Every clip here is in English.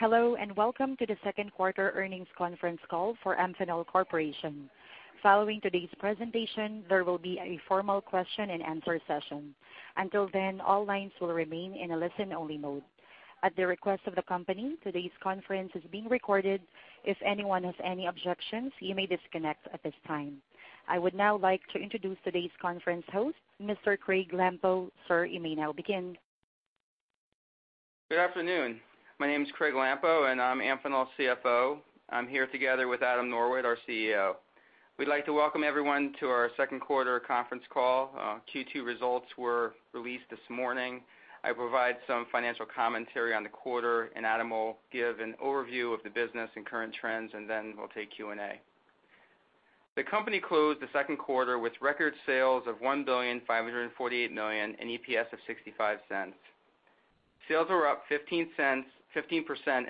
Hello, and welcome to the second quarter earnings conference call for Amphenol Corporation. Following today's presentation, there will be a formal question-and-answer session. Until then, all lines will remain in a listen-only mode. At the request of the company, today's conference is being recorded. If anyone has any objections, you may disconnect at this time. I would now like to introduce today's conference host, Mr. Craig Lampo. Sir, you may now begin. Good afternoon. My name is Craig Lampo, and I'm Amphenol's CFO. I'm here together with Adam Norwitt, our CEO. We'd like to welcome everyone to our second quarter conference call. Q2 results were released this morning. I'll provide some financial commentary on the quarter, and Adam will give an overview of the business and current trends, and then we'll take Q&A. The company closed the second quarter with record sales of $1.548 billion and EPS of $0.65. Sales were up 15%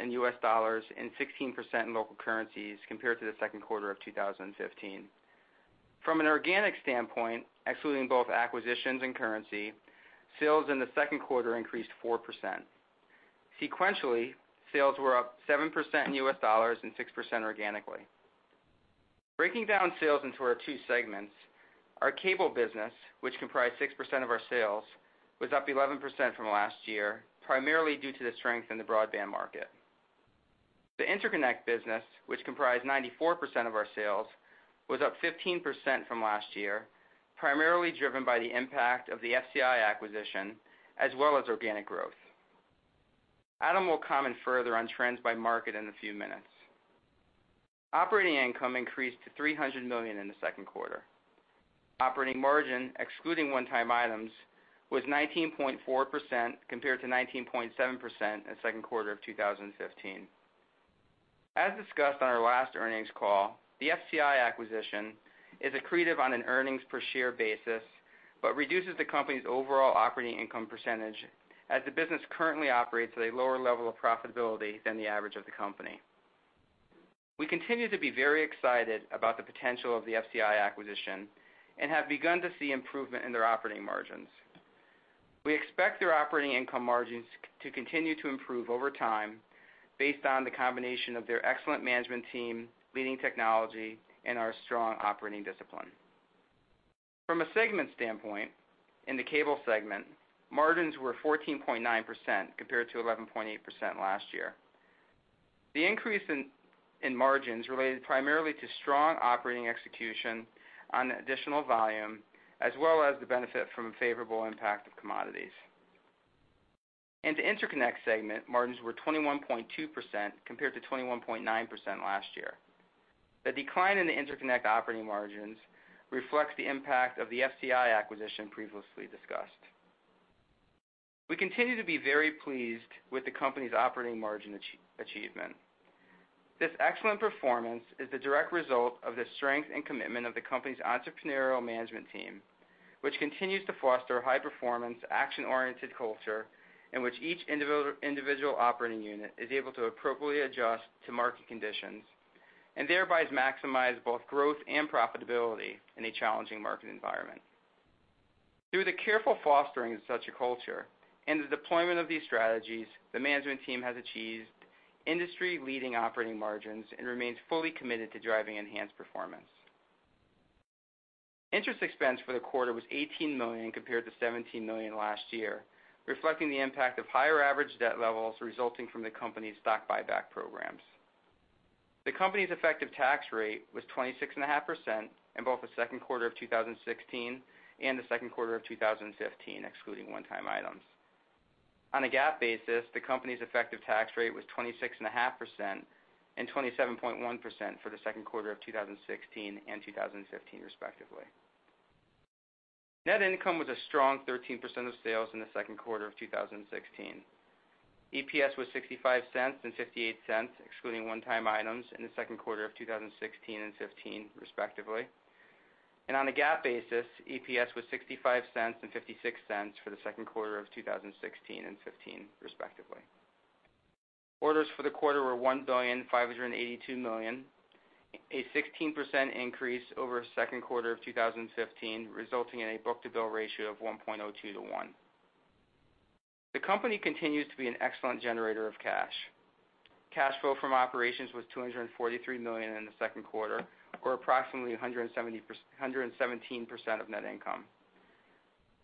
in US dollars and 16% in local currencies compared to the second quarter of 2015. From an organic standpoint, excluding both acquisitions and currency, sales in the second quarter increased 4%. Sequentially, sales were up 7% in US dollars and 6% organically. Breaking down sales into our two segments, our cable business, which comprised 6% of our sales, was up 11% from last year, primarily due to the strength in the broadband market. The interconnect business, which comprised 94% of our sales, was up 15% from last year, primarily driven by the impact of the FCI acquisition, as well as organic growth. Adam will comment further on trends by market in a few minutes. Operating income increased to $300 million in the second quarter. Operating margin, excluding one-time items, was 19.4%, compared to 19.7% in the second quarter of 2015. As discussed on our last earnings call, the FCI acquisition is accretive on an earnings per share basis, but reduces the company's overall operating income percentage, as the business currently operates at a lower level of profitability than the average of the company. We continue to be very excited about the potential of the FCI acquisition and have begun to see improvement in their operating margins. We expect their operating income margins to continue to improve over time based on the combination of their excellent management team, leading technology, and our strong operating discipline. From a segment standpoint, in the cable segment, margins were 14.9%, compared to 11.8% last year. The increase in margins related primarily to strong operating execution on additional volume, as well as the benefit from a favorable impact of commodities. In the interconnect segment, margins were 21.2%, compared to 21.9% last year. The decline in the interconnect operating margins reflects the impact of the FCI acquisition previously discussed. We continue to be very pleased with the company's operating margin achievement. This excellent performance is the direct result of the strength and commitment of the company's entrepreneurial management team, which continues to foster a high-performance, action-oriented culture in which each individual operating unit is able to appropriately adjust to market conditions and thereby has maximized both growth and profitability in a challenging market environment. Through the careful fostering of such a culture and the deployment of these strategies, the management team has achieved industry-leading operating margins and remains fully committed to driving enhanced performance. Interest expense for the quarter was $18 million, compared to $17 million last year, reflecting the impact of higher average debt levels resulting from the company's stock buyback programs. The company's effective tax rate was 26.5% in both the second quarter of 2016 and the second quarter of 2015, excluding one-time items. On a GAAP basis, the company's effective tax rate was 26.5% and 27.1% for the second quarter of 2016 and 2015, respectively. Net income was a strong 13% of sales in the second quarter of 2016. EPS was $0.65 and $0.58, excluding one-time items in the second quarter of 2016 and 2015, respectively. On a GAAP basis, EPS was $0.65 and $0.56 for the second quarter of 2016 and 2015, respectively. Orders for the quarter were $1,582 million, a 16% increase over second quarter of 2015, resulting in a book-to-bill ratio of 1.2 to 1. The company continues to be an excellent generator of cash. Cash flow from operations was $243 million in the second quarter, or approximately 117% of net income.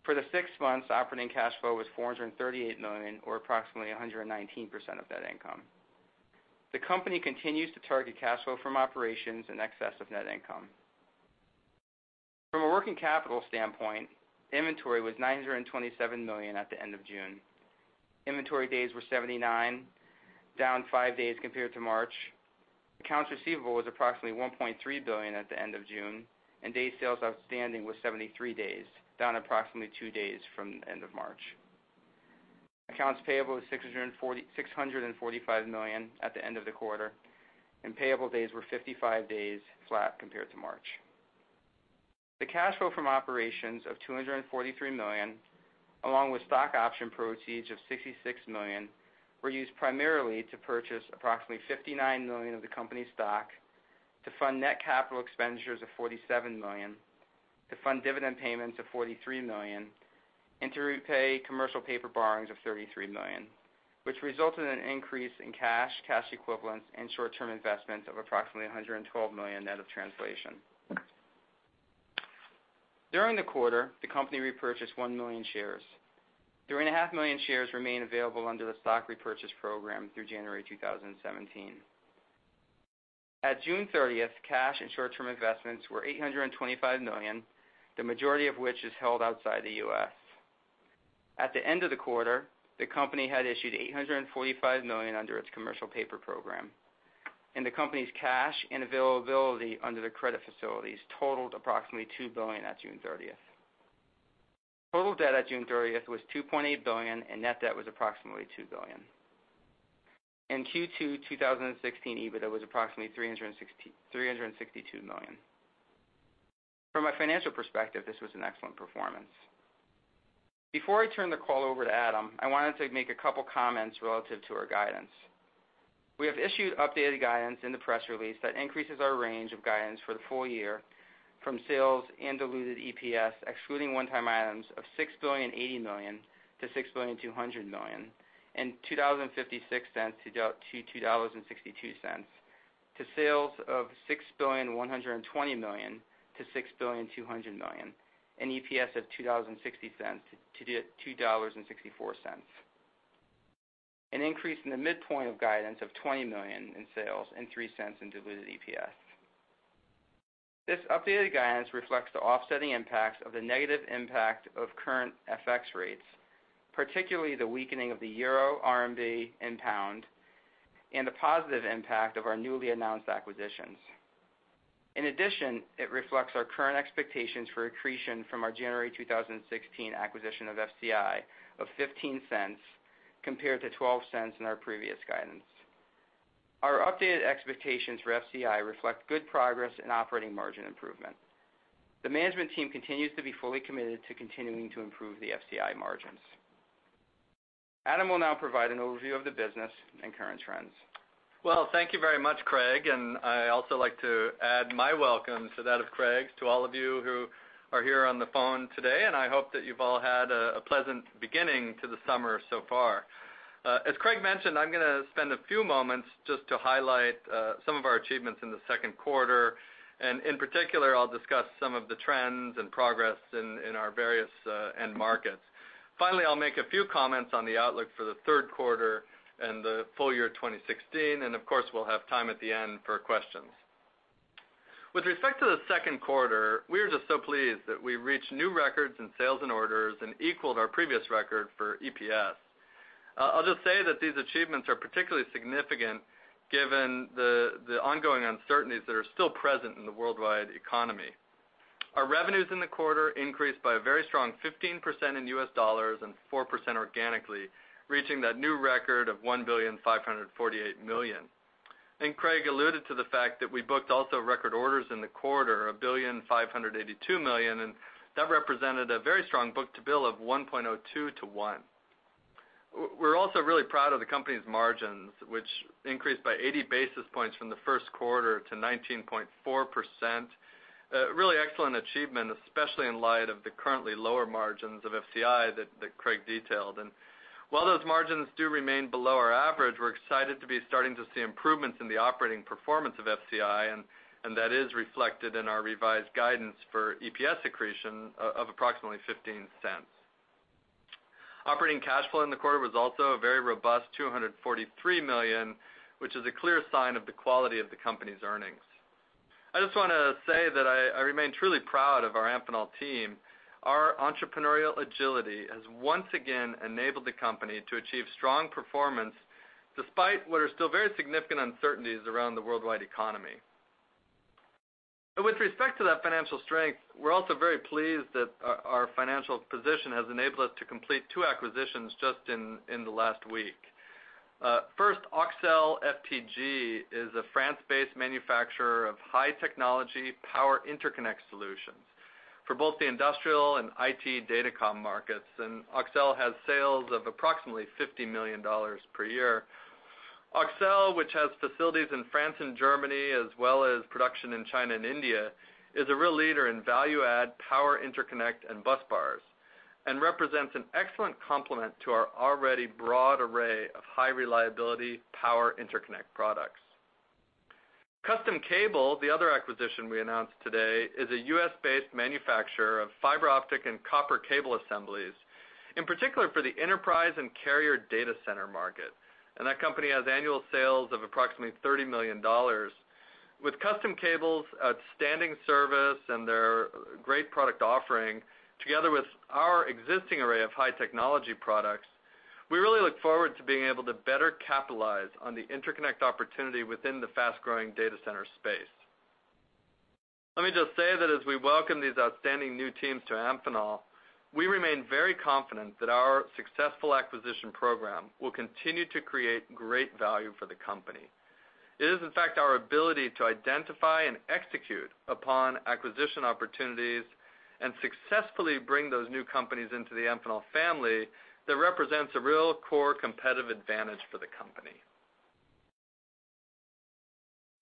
For the six months, operating cash flow was $438 million, or approximately 119% of net income. The company continues to target cash flow from operations in excess of net income. From a working capital standpoint, inventory was $927 million at the end of June. Inventory days were 79, down 5 days compared to March. Accounts receivable was approximately $1.3 billion at the end of June, and days sales outstanding was 73 days, down approximately 2 days from the end of March. Accounts payable was $645 million at the end of the quarter, and payable days were 55 days, flat compared to March. The cash flow from operations of $243 million, along with stock option proceeds of $66 million, were used primarily to purchase approximately $59 million of the company's stock, to fund net capital expenditures of $47 million-... to fund dividend payments of $43 million, and to repay commercial paper borrowings of $33 million, which resulted in an increase in cash, cash equivalents, and short-term investments of approximately $112 million net of translation. During the quarter, the company repurchased 1 million shares. 3.5 million shares remain available under the stock repurchase program through January 2017. At June 30, cash and short-term investments were $825 million, the majority of which is held outside the U.S. At the end of the quarter, the company had issued $845 million under its commercial paper program, and the company's cash and availability under the credit facilities totaled approximately $2 billion at June 30. Total debt at June 30 was $2.8 billion, and net debt was approximately $2 billion. In Q2 2016, EBITDA was approximately $362 million. From a financial perspective, this was an excellent performance. Before I turn the call over to Adam, I wanted to make a couple comments relative to our guidance. We have issued updated guidance in the press release that increases our range of guidance for the full year from sales and diluted EPS, excluding one-time items of $6.08 billion-$6.2 billion and $2.056-$2.62, to sales of $6.12 billion-$6.2 billion and EPS of $2.06-$2.64. An increase in the midpoint of guidance of $20 million in sales and 3 cents in diluted EPS. This updated guidance reflects the offsetting impacts of the negative impact of current FX rates, particularly the weakening of the euro, RMB, and pound, and the positive impact of our newly announced acquisitions. In addition, it reflects our current expectations for accretion from our January 2016 acquisition of FCI of $0.15, compared to $0.12 in our previous guidance. Our updated expectations for FCI reflect good progress in operating margin improvement. The management team continues to be fully committed to continuing to improve the FCI margins. Adam will now provide an overview of the business and current trends. Well, thank you very much, Craig, and I also like to add my welcome to that of Craig's, to all of you who are here on the phone today, and I hope that you've all had a pleasant beginning to the summer so far. As Craig mentioned, I'm gonna spend a few moments just to highlight some of our achievements in the second quarter, and in particular, I'll discuss some of the trends and progress in our various end markets. Finally, I'll make a few comments on the outlook for the third quarter and the full year 2016, and of course, we'll have time at the end for questions. With respect to the second quarter, we are just so pleased that we reached new records in sales and orders and equaled our previous record for EPS. I'll just say that these achievements are particularly significant given the ongoing uncertainties that are still present in the worldwide economy. Our revenues in the quarter increased by a very strong 15% in US dollars and 4% organically, reaching that new record of $1.548 billion. Craig alluded to the fact that we booked also record orders in the quarter, $1.582 billion, and that represented a very strong book-to-bill of 1.02 to 1. We're also really proud of the company's margins, which increased by 80 basis points from the first quarter to 19.4%. Really excellent achievement, especially in light of the currently lower margins of FCI that Craig detailed. While those margins do remain below our average, we're excited to be starting to see improvements in the operating performance of FCI, and that is reflected in our revised guidance for EPS accretion of approximately $0.15. Operating cash flow in the quarter was also a very robust $243 million, which is a clear sign of the quality of the company's earnings. I just wanna say that I remain truly proud of our Amphenol team. Our entrepreneurial agility has once again enabled the company to achieve strong performance, despite what are still very significant uncertainties around the worldwide economy. With respect to that financial strength, we're also very pleased that our financial position has enabled us to complete two acquisitions just in the last week. First, AUXEL FTG is a France-based manufacturer of high technology power interconnect solutions for both the industrial and IT datacom markets, and AUXEL has sales of approximately $50 million per year. AUXEL, which has facilities in France and Germany, as well as production in China and India, is a real leader in value add, power interconnect, and busbars, and represents an excellent complement to our already broad array of high reliability power interconnect products. Custom Cable, the other acquisition we announced today, is a US-based manufacturer of fiber optic and copper cable assemblies, in particular for the enterprise and carrier data center market. That company has annual sales of approximately $30 million. With Custom Cable's outstanding service and their great product offering, together with our existing array of high technology products, we really look forward to being able to better capitalize on the interconnect opportunity within the fast-growing data center space. Let me just say that as we welcome these outstanding new teams to Amphenol, we remain very confident that our successful acquisition program will continue to create great value for the company. It is, in fact, our ability to identify and execute upon acquisition opportunities and successfully bring those new companies into the Amphenol family, that represents a real core competitive advantage for the company....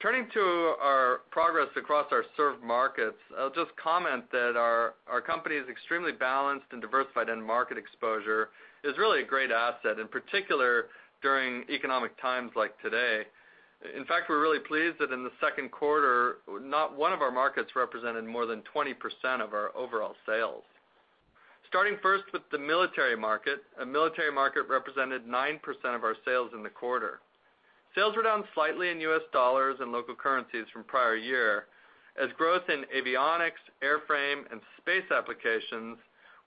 Turning to our progress across our served markets, I'll just comment that our company is extremely balanced and diversified in market exposure, is really a great asset, in particular, during economic times like today. In fact, we're really pleased that in the second quarter, not one of our markets represented more than 20% of our overall sales. Starting first with the military market, a military market represented 9% of our sales in the quarter. Sales were down slightly in US dollars and local currencies from prior year, as growth in avionics, airframe, and space applications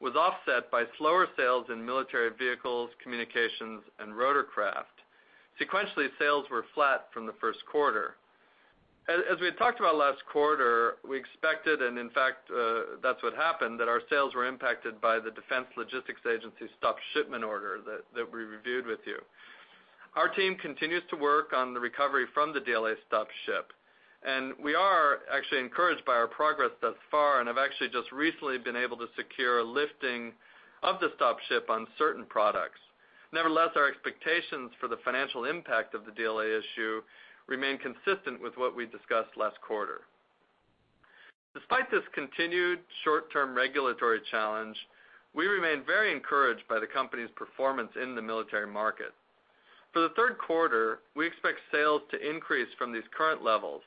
was offset by slower sales in military vehicles, communications, and rotorcraft. Sequentially, sales were flat from the first quarter. As we had talked about last quarter, we expected, and in fact, that's what happened, that our sales were impacted by the Defense Logistics Agency stop shipment order that we reviewed with you. Our team continues to work on the recovery from the DLA stop ship, and we are actually encouraged by our progress thus far, and have actually just recently been able to secure a lifting of the stop ship on certain products. Nevertheless, our expectations for the financial impact of the DLA issue remain consistent with what we discussed last quarter. Despite this continued short-term regulatory challenge, we remain very encouraged by the company's performance in the military market. For the third quarter, we expect sales to increase from these current levels,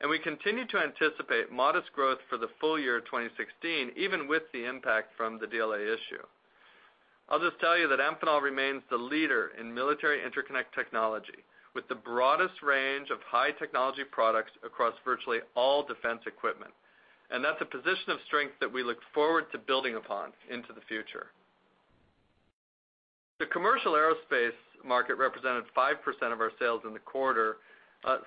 and we continue to anticipate modest growth for the full year 2016, even with the impact from the DLA issue. I'll just tell you that Amphenol remains the leader in military interconnect technology, with the broadest range of high-technology products across virtually all defense equipment. That's a position of strength that we look forward to building upon into the future. The commercial aerospace market represented 5% of our sales in the quarter.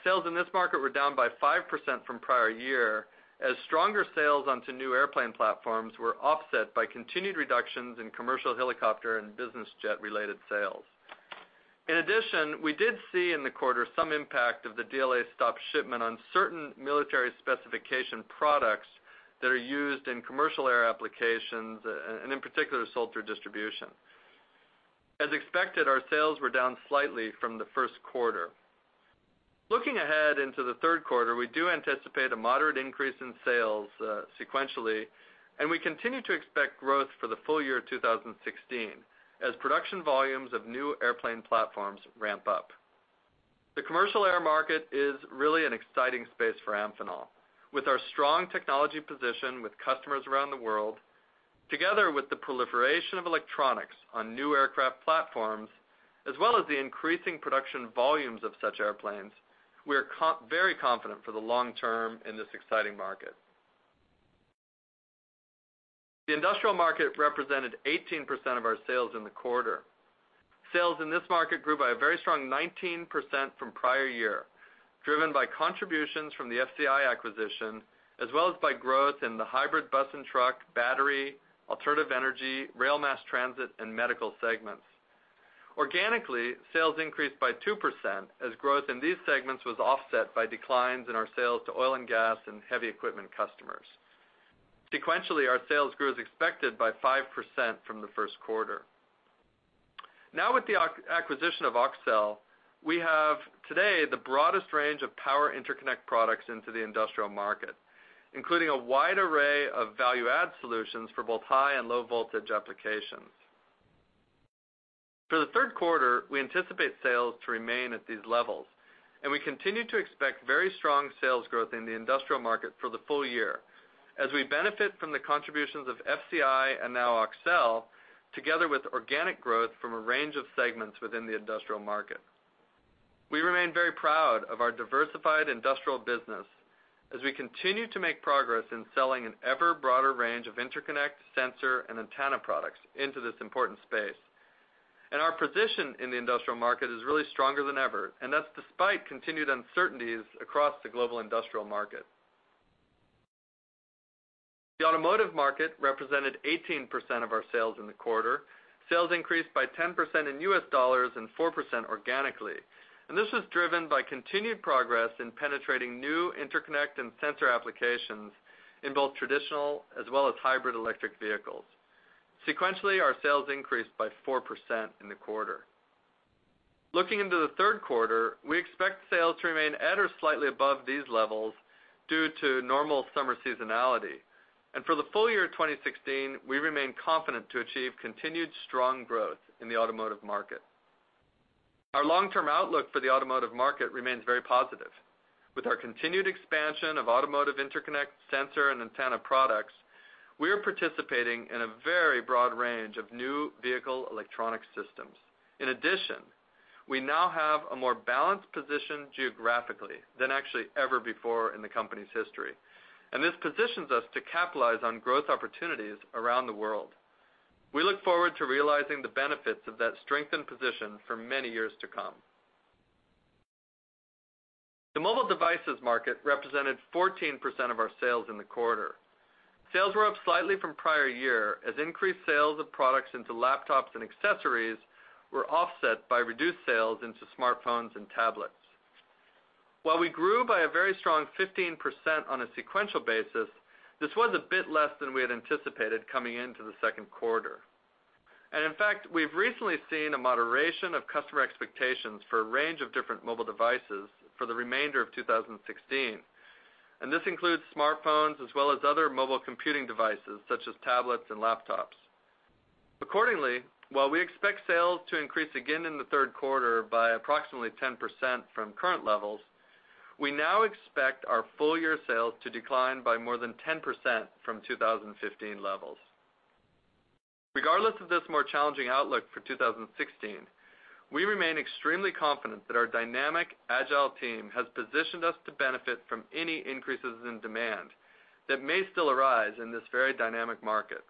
Sales in this market were down by 5% from prior year, as stronger sales onto new airplane platforms were offset by continued reductions in commercial helicopter and business jet-related sales. In addition, we did see in the quarter some impact of the DLA stop shipment on certain military specification products that are used in commercial air applications, and in particular, sold through distribution. As expected, our sales were down slightly from the first quarter. Looking ahead into the third quarter, we do anticipate a moderate increase in sales, sequentially, and we continue to expect growth for the full year 2016, as production volumes of new airplane platforms ramp up. The commercial air market is really an exciting space for Amphenol. With our strong technology position with customers around the world, together with the proliferation of electronics on new aircraft platforms, as well as the increasing production volumes of such airplanes, we are very confident for the long term in this exciting market. The industrial market represented 18% of our sales in the quarter. Sales in this market grew by a very strong 19% from prior year, driven by contributions from the FCI acquisition, as well as by growth in the hybrid bus and truck, battery, alternative energy, rail mass transit, and medical segments. Organically, sales increased by 2%, as growth in these segments was offset by declines in our sales to oil and gas and heavy equipment customers. Sequentially, our sales grew as expected by 5% from the first quarter. Now, with the acquisition of AUXEL, we have today the broadest range of power interconnect products into the industrial market, including a wide array of value-add solutions for both high and low voltage applications. For the third quarter, we anticipate sales to remain at these levels, and we continue to expect very strong sales growth in the industrial market for the full year, as we benefit from the contributions of FCI and now AUXEL, together with organic growth from a range of segments within the industrial market. We remain very proud of our diversified industrial business as we continue to make progress in selling an ever-broader range of interconnect, sensor, and antenna products into this important space. Our position in the industrial market is really stronger than ever, and that's despite continued uncertainties across the global industrial market. The automotive market represented 18% of our sales in the quarter. Sales increased by 10% in U.S. dollars and 4% organically, and this was driven by continued progress in penetrating new interconnect and sensor applications in both traditional as well as hybrid electric vehicles. Sequentially, our sales increased by 4% in the quarter. Looking into the third quarter, we expect sales to remain at or slightly above these levels due to normal summer seasonality. For the full year 2016, we remain confident to achieve continued strong growth in the automotive market. Our long-term outlook for the automotive market remains very positive. With our continued expansion of automotive interconnect, sensor, and antenna products, we are participating in a very broad range of new vehicle electronic systems. In addition, we now have a more balanced position geographically than actually ever before in the company's history, and this positions us to capitalize on growth opportunities around the world. We look forward to realizing the benefits of that strengthened position for many years to come. The mobile devices market represented 14% of our sales in the quarter. Sales were up slightly from prior year, as increased sales of products into laptops and accessories were offset by reduced sales into smartphones and tablets. While we grew by a very strong 15% on a sequential basis, this was a bit less than we had anticipated coming into the second quarter. In fact, we've recently seen a moderation of customer expectations for a range of different mobile devices for the remainder of 2016, and this includes smartphones as well as other mobile computing devices, such as tablets and laptops. Accordingly, while we expect sales to increase again in the third quarter by approximately 10% from current levels, we now expect our full year sales to decline by more than 10% from 2015 levels. Regardless of this more challenging outlook for 2016, we remain extremely confident that our dynamic, agile team has positioned us to benefit from any increases in demand that may still arise in this very dynamic market.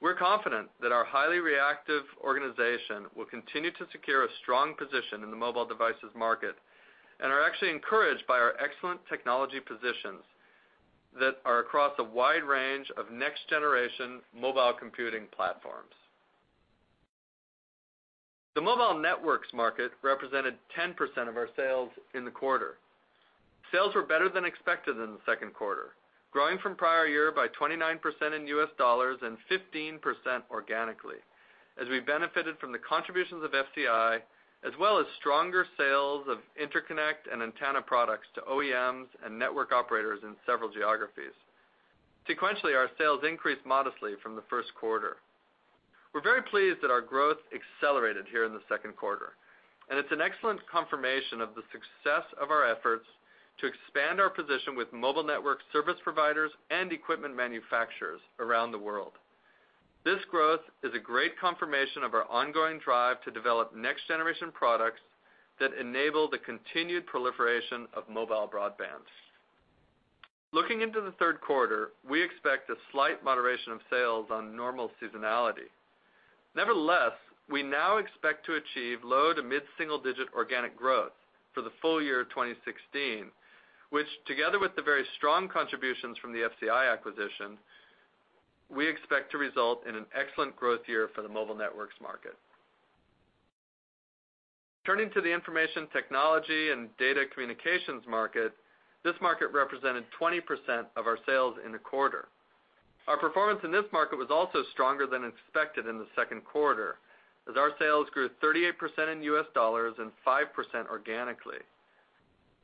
We're confident that our highly reactive organization will continue to secure a strong position in the mobile devices market and are actually encouraged by our excellent technology positions that are across a wide range of next-generation mobile computing platforms. The mobile networks market represented 10% of our sales in the quarter. Sales were better than expected in the second quarter, growing from prior year by 29% in U.S. dollars and 15% organically, as we benefited from the contributions of FCI, as well as stronger sales of interconnect and antenna products to OEMs and network operators in several geographies. Sequentially, our sales increased modestly from the first quarter. We're very pleased that our growth accelerated here in the second quarter, and it's an excellent confirmation of the success of our efforts to expand our position with mobile network service providers and equipment manufacturers around the world. This growth is a great confirmation of our ongoing drive to develop next-generation products that enable the continued proliferation of mobile broadband. Looking into the third quarter, we expect a slight moderation of sales on normal seasonality. Nevertheless, we now expect to achieve low- to mid-single-digit organic growth for the full year of 2016, which, together with the very strong contributions from the FCI acquisition, we expect to result in an excellent growth year for the mobile networks market. Turning to the information technology and data communications market, this market represented 20% of our sales in the quarter. Our performance in this market was also stronger than expected in the second quarter, as our sales grew 38% in U.S. dollars and 5% organically.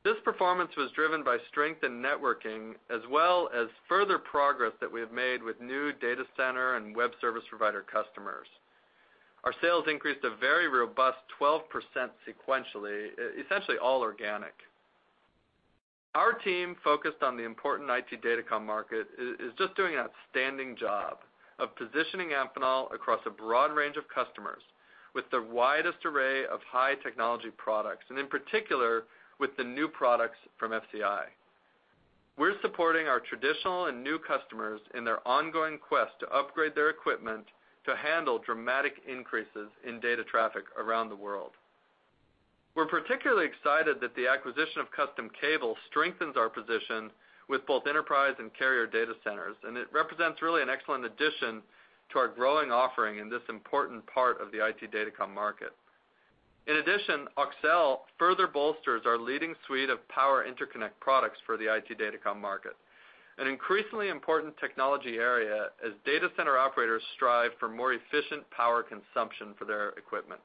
This performance was driven by strength in networking, as well as further progress that we have made with new data center and web service provider customers. Our sales increased a very robust 12% sequentially, essentially all organic. Our team, focused on the important IT datacom market, is just doing an outstanding job of positioning Amphenol across a broad range of customers with the widest array of high technology products, and in particular, with the new products from FCI. We're supporting our traditional and new customers in their ongoing quest to upgrade their equipment to handle dramatic increases in data traffic around the world. We're particularly excited that the acquisition of Custom Cable strengthens our position with both enterprise and carrier data centers, and it represents really an excellent addition to our growing offering in this important part of the IT datacom market. In addition, Auxel further bolsters our leading suite of power interconnect products for the IT datacom market, an increasingly important technology area as data center operators strive for more efficient power consumption for their equipment.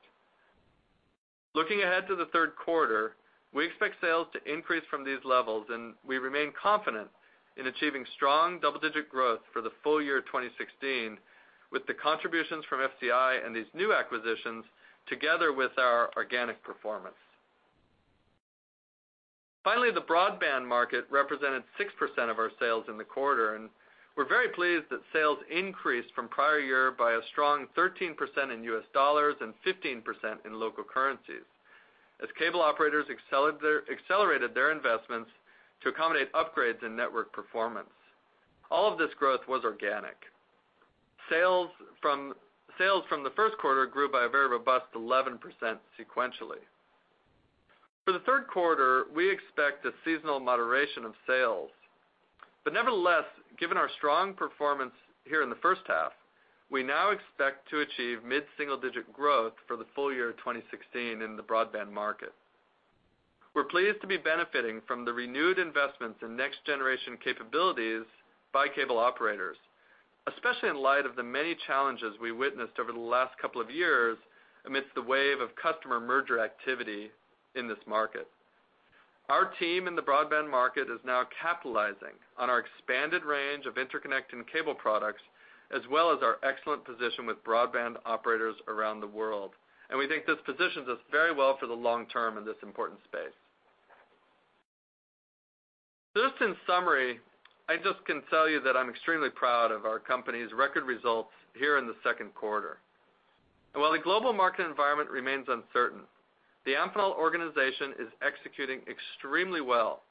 Looking ahead to the third quarter, we expect sales to increase from these levels, and we remain confident in achieving strong double-digit growth for the full year of 2016, with the contributions from FCI and these new acquisitions, together with our organic performance. Finally, the broadband market represented 6% of our sales in the quarter, and we're very pleased that sales increased from prior year by a strong 13% in US dollars and 15% in local currencies, as cable operators accelerated their investments to accommodate upgrades in network performance. All of this growth was organic. Sales from the first quarter grew by a very robust 11% sequentially. For the third quarter, we expect a seasonal moderation of sales. But nevertheless, given our strong performance here in the first half, we now expect to achieve mid-single-digit growth for the full year of 2016 in the broadband market. We're pleased to be benefiting from the renewed investments in next-generation capabilities by cable operators, especially in light of the many challenges we witnessed over the last couple of years amidst the wave of customer merger activity in this market. Our team in the broadband market is now capitalizing on our expanded range of interconnect and cable products, as well as our excellent position with broadband operators around the world, and we think this positions us very well for the long term in this important space. Just in summary, I just can tell you that I'm extremely proud of our company's record results here in the second quarter. While the global market environment remains uncertain, the Amphenol organization is executing extremely well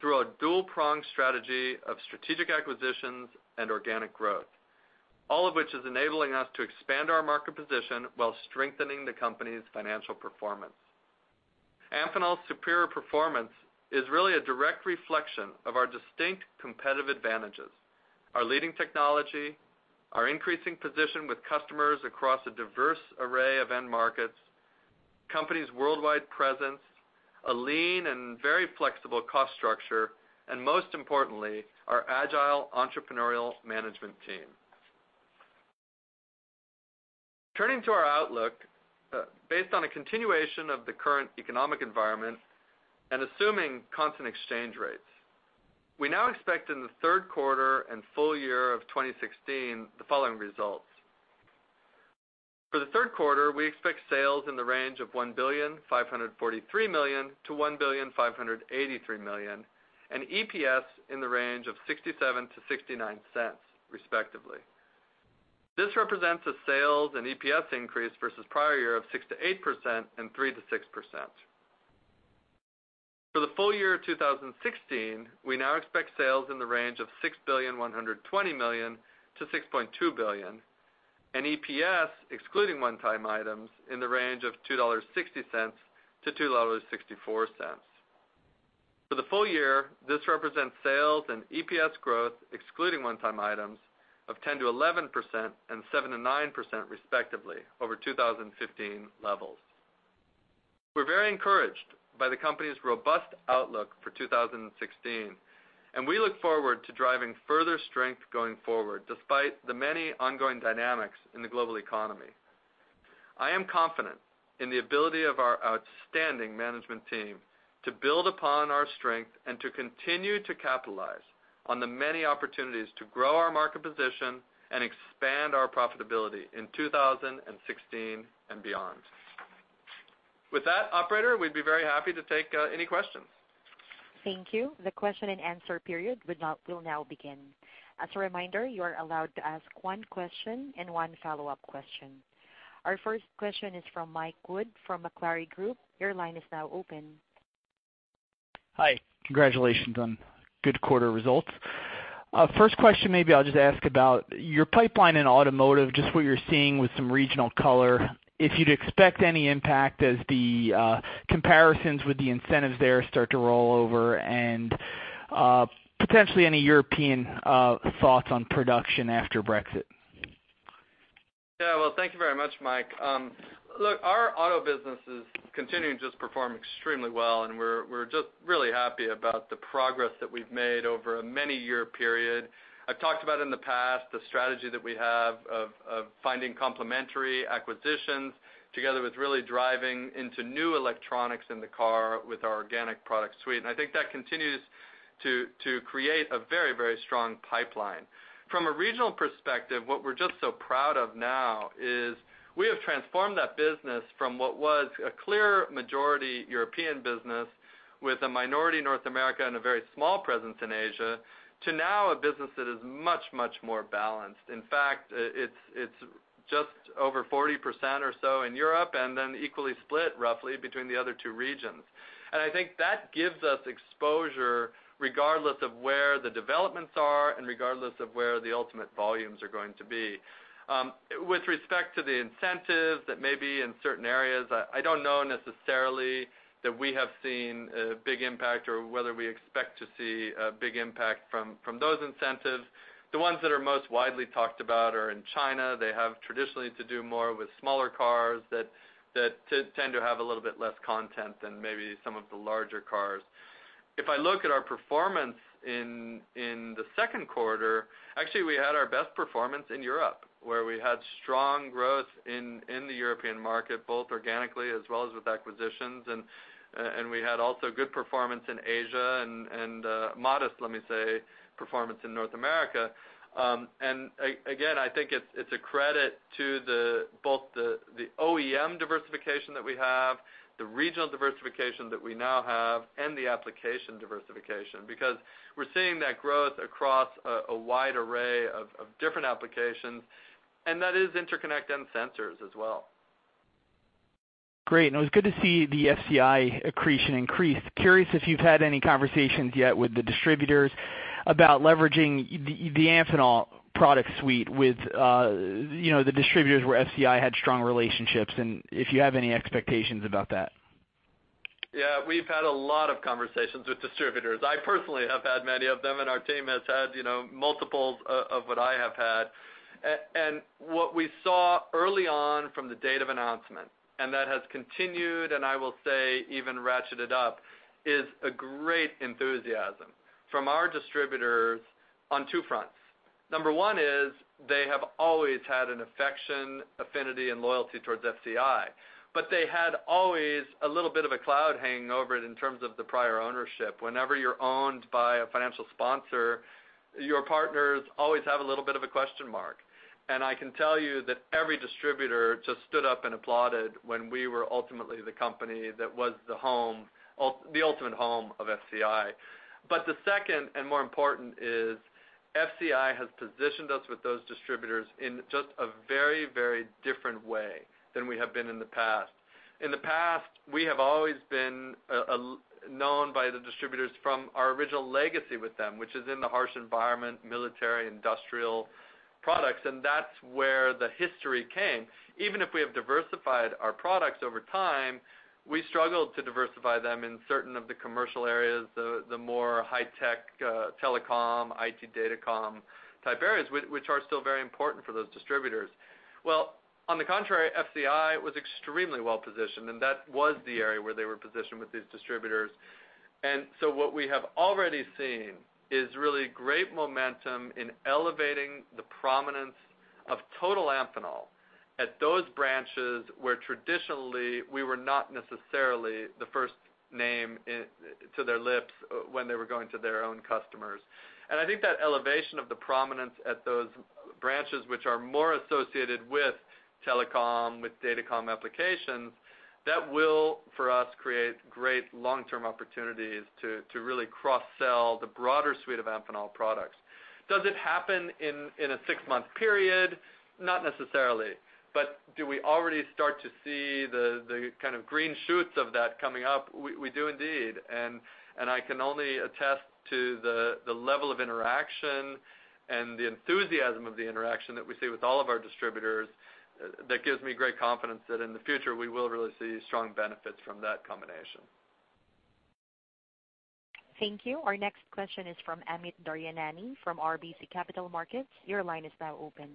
through a dual-pronged strategy of strategic acquisitions and organic growth, all of which is enabling us to expand our market position while strengthening the company's financial performance. Amphenol's superior performance is really a direct reflection of our distinct competitive advantages, our leading technology, our increasing position with customers across a diverse array of end markets, our company's worldwide presence, a lean and very flexible cost structure, and most importantly, our agile entrepreneurial management team. Turning to our outlook, based on a continuation of the current economic environment and assuming constant exchange rates, we now expect in the third quarter and full year of 2016, the following results: For the third quarter, we expect sales in the range of $1.543 billion-$1.583 billion, and EPS in the range of $0.67-$0.69, respectively. This represents a sales and EPS increase versus prior year of 6%-8% and 3%-6%. For the full year of 2016, we now expect sales in the range of $6.12 billion-$6.2 billion, and EPS, excluding one-time items, in the range of $2.60-$2.64. For the full year, this represents sales and EPS growth, excluding one-time items, of 10%-11% and 7%-9%, respectively, over 2015 levels. We're very encouraged by the company's robust outlook for 2016, and we look forward to driving further strength going forward, despite the many ongoing dynamics in the global economy. I am confident in the ability of our outstanding management team to build upon our strength and to continue to capitalize on the many opportunities to grow our market position and expand our profitability in 2016 and beyond. With that, operator, we'd be very happy to take any questions. Thank you. The question-and-answer period will now begin. As a reminder, you are allowed to ask one question and one follow-up question. Our first question is from Mike Wood, from Macquarie Group. Your line is now open. Hi, congratulations on good quarter results. First question, maybe I'll just ask about your pipeline in automotive, just what you're seeing with some regional color. If you'd expect any impact as the comparisons with the incentives there start to roll over, and potentially any European thoughts on production after Brexit? Yeah, well, thank you very much, Mike. Look, our auto business is continuing to just perform extremely well, and we're just really happy about the progress that we've made over a many-year period. I've talked about in the past, the strategy that we have of finding complementary acquisitions, together with really driving into new electronics in the car with our organic product suite. And I think that continues to create a very, very strong pipeline. From a regional perspective, what we're just so proud of now is we have transformed that business from what was a clear majority European business with a minority North America and a very small presence in Asia, to now a business that is much, much more balanced. In fact, it's just over 40% or so in Europe, and then equally split roughly between the other two regions. I think that gives us exposure regardless of where the developments are and regardless of where the ultimate volumes are going to be. With respect to the incentives that may be in certain areas, I don't know necessarily that we have seen a big impact or whether we expect to see a big impact from those incentives. The ones that are most widely talked about are in China. They have traditionally to do more with smaller cars that tend to have a little bit less content than maybe some of the larger cars. If I look at our performance in the second quarter, actually, we had our best performance in Europe, where we had strong growth in the European market, both organically as well as with acquisitions. We had also good performance in Asia and modest, let me say, performance in North America. And again, I think it's a credit to both the OEM diversification that we have, the regional diversification that we now have, and the application diversification, because we're seeing that growth across a wide array of different applications, and that is interconnect and sensors as well. Great. It was good to see the FCI accretion increase. Curious if you've had any conversations yet with the distributors about leveraging the Amphenol product suite with, you know, the distributors where FCI had strong relationships, and if you have any expectations about that? Yeah, we've had a lot of conversations with distributors. I personally have had many of them, and our team has had, you know, multiples of what I have had. And what we saw early on from the date of announcement, and that has continued, and I will say, even ratcheted up, is a great enthusiasm from our distributors on two fronts. Number one is they have always had an affection, affinity, and loyalty towards FCI, but they had always a little bit of a cloud hanging over it in terms of the prior ownership. Whenever you're owned by a financial sponsor, your partners always have a little bit of a question mark. And I can tell you that every distributor just stood up and applauded when we were ultimately the company that was the home, the ultimate home of FCI. But the second, and more important, is FCI has positioned us with those distributors in just a very, very different way than we have been in the past. In the past, we have always been known by the distributors from our original legacy with them, which is in the harsh environment, military, industrial products, and that's where the history came. Even if we have diversified our products over time, we struggled to diversify them in certain of the commercial areas, the more high-tech, telecom, IT, datacom type areas, which are still very important for those distributors. Well, on the contrary, FCI was extremely well positioned, and that was the area where they were positioned with these distributors. And so what we have already seen is really great momentum in elevating the prominence of total Amphenol at those branches where traditionally we were not necessarily the first name in to their lips when they were going to their own customers. And I think that elevation of the prominence at those branches, which are more associated with telecom, with datacom applications, that will, for us, create great long-term opportunities to really cross-sell the broader suite of Amphenol products. Does it happen in a six-month period? Not necessarily. But do we already start to see the kind of green shoots of that coming up? We do indeed. I can only attest to the level of interaction and the enthusiasm of the interaction that we see with all of our distributors that gives me great confidence that in the future, we will really see strong benefits from that combination. Thank you. Our next question is from Amit Daryanani from RBC Capital Markets. Your line is now open.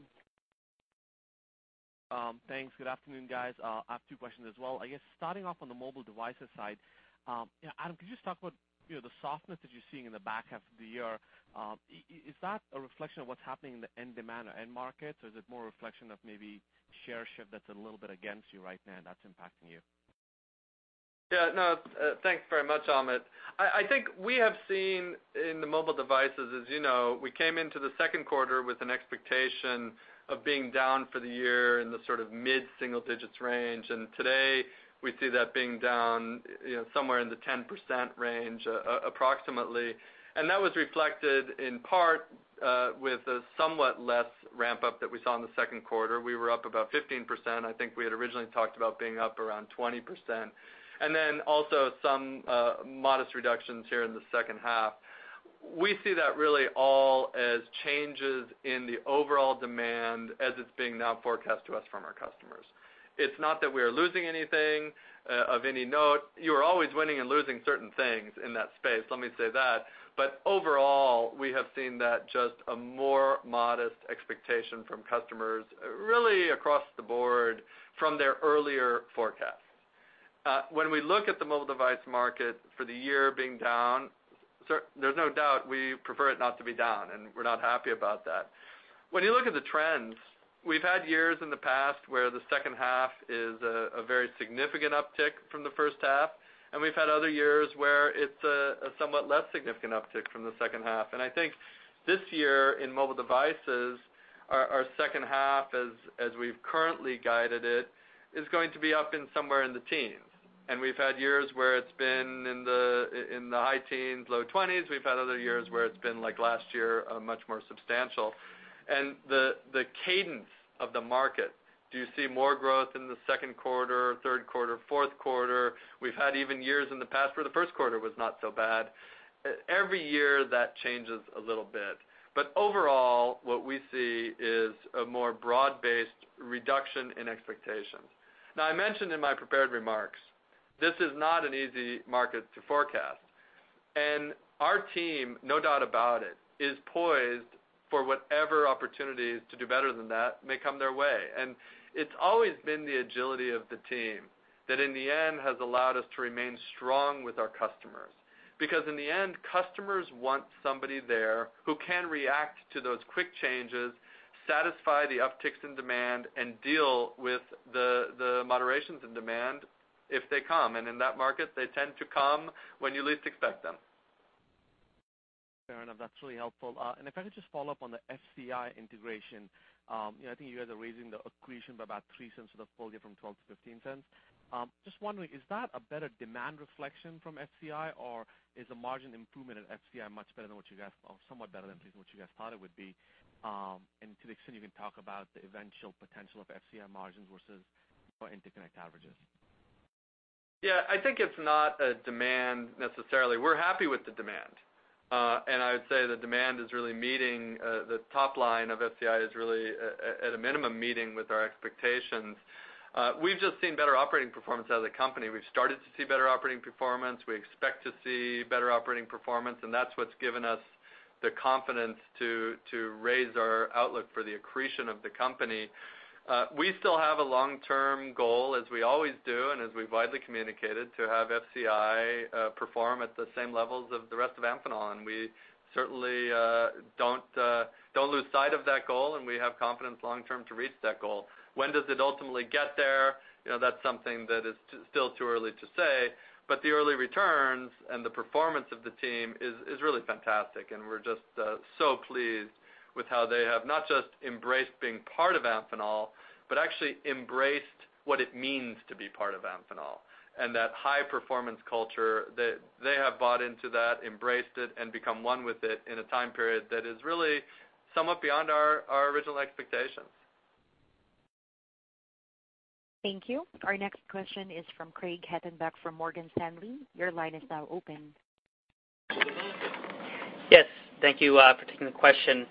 Thanks. Good afternoon, guys. I have two questions as well. I guess, starting off on the mobile devices side, you know, Adam, could you just talk about, you know, the softness that you're seeing in the back half of the year? Is that a reflection of what's happening in the end demand or end market, or is it more a reflection of maybe share shift that's a little bit against you right now, and that's impacting you? Yeah, no, thanks very much, Amit. I think we have seen in the mobile devices, as you know, we came into the second quarter with an expectation of being down for the year in the sort of mid-single digits range. And today, we see that being down, you know, somewhere in the 10% range, approximately. And that was reflected in part with a somewhat less ramp-up that we saw in the second quarter. We were up about 15%. I think we had originally talked about being up around 20%. And then also some modest reductions here in the second half. We see that really all as changes in the overall demand as it's being now forecast to us from our customers. It's not that we are losing anything of any note. You are always winning and losing certain things in that space, let me say that. But overall, we have seen that just a more modest expectation from customers, really across the board from their earlier forecasts. When we look at the mobile device market for the year being down, there's no doubt we prefer it not to be down, and we're not happy about that. When you look at the trends, we've had years in the past where the second half is a very significant uptick from the first half, and we've had other years where it's a somewhat less significant uptick from the second half. And I think this year, in mobile devices, our second half as we've currently guided it, is going to be up somewhere in the teens. We've had years where it's been in the high teens, low twenties. We've had other years where it's been like last year, much more substantial. And the cadence of the market, do you see more growth in the second quarter, third quarter, fourth quarter? We've had even years in the past where the first quarter was not so bad. Every year, that changes a little bit. But overall, what we see is a more broad-based reduction in expectations. Now, I mentioned in my prepared remarks, this is not an easy market to forecast, and our team, no doubt about it, is poised for whatever opportunities to do better than that may come their way. And it's always been the agility of the team that, in the end, has allowed us to remain strong with our customers. Because in the end, customers want somebody there who can react to those quick changes, satisfy the upticks in demand, and deal with the moderations in demand if they come. In that market, they tend to come when you least expect them. Fair enough. That's really helpful. And if I could just follow up on the FCI integration. You know, I think you guys are raising the accretion by about $0.03 to the full year from $0.12 to $0.15. Just wondering, is that a better demand reflection from FCI, or is the margin improvement at FCI much better than what you guys-- or somewhat better than what you guys thought it would be? And to the extent you can talk about the eventual potential of FCI margins versus your interconnect averages. Yeah, I think it's not a demand necessarily. We're happy with the demand. And I would say the demand is really meeting the top line of FCI is really at a minimum meeting with our expectations. We've just seen better operating performance as a company. We've started to see better operating performance. We expect to see better operating performance, and that's what's given us the confidence to raise our outlook for the accretion of the company. We still have a long-term goal, as we always do, and as we've widely communicated, to have FCI perform at the same levels of the rest of Amphenol, and we certainly don't lose sight of that goal, and we have confidence long term to reach that goal. When does it ultimately get there? You know, that's something that is still too early to say, but the early returns and the performance of the team is, is really fantastic, and we're just so pleased with how they have not just embraced being part of Amphenol, but actually embraced what it means to be part of Amphenol. And that high-performance culture, they, they have bought into that, embraced it, and become one with it in a time period that is really somewhat beyond our, our original expectations. Thank you. Our next question is from Craig Hettenbach from Morgan Stanley. Your line is now open. Yes, thank you for taking the question.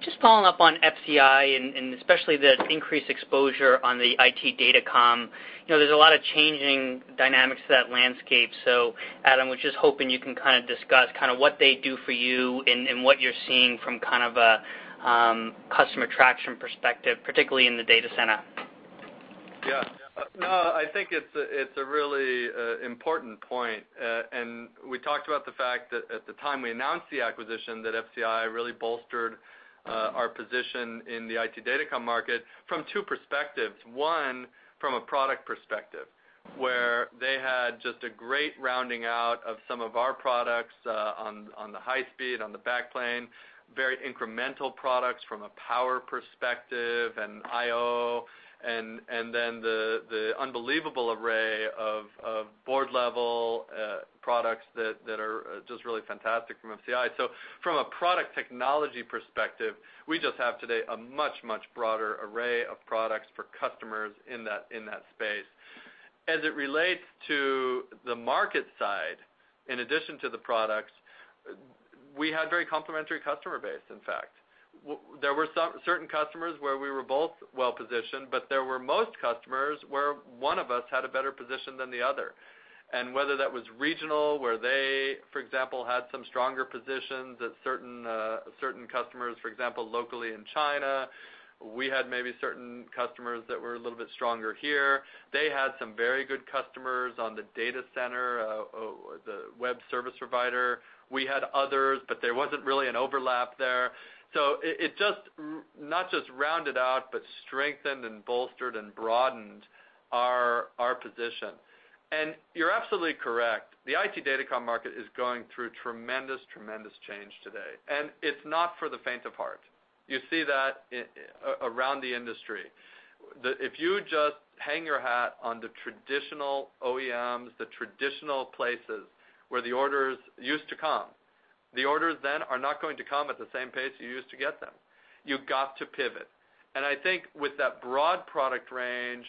Just following up on FCI and, and especially the increased exposure on the IT datacom. You know, there's a lot of changing dynamics to that landscape. So Adam, was just hoping you can kind of discuss kind of what they do for you and, and what you're seeing from kind of a customer traction perspective, particularly in the data center. Yeah. No, I think it's a really important point. And we talked about the fact that at the time we announced the acquisition, that FCI really bolstered our position in the IT datacom market from two perspectives. One, from a product perspective, where they had just a great rounding out of some of our products on the high speed, on the backplane, very incremental products from a power perspective and I/O, and then the unbelievable array of board-level products that are just really fantastic from FCI. So from a product technology perspective, we just have today a much, much broader array of products for customers in that space. As it relates to the market side, in addition to the products, we had very complementary customer base, in fact. There were some certain customers where we were both well positioned, but there were most customers where one of us had a better position than the other. And whether that was regional, where they, for example, had some stronger positions at certain certain customers, for example, locally in China, we had maybe certain customers that were a little bit stronger here. They had some very good customers on the data center, the web service provider. We had others, but there wasn't really an overlap there. So it just not just rounded out, but strengthened and bolstered and broadened our our position. And you're absolutely correct, the IT data comm market is going through tremendous tremendous change today, and it's not for the faint of heart. You see that around the industry. If you just hang your hat on the traditional OEMs, the traditional places where the orders used to come, the orders then are not going to come at the same pace you used to get them. You've got to pivot. And I think with that broad product range,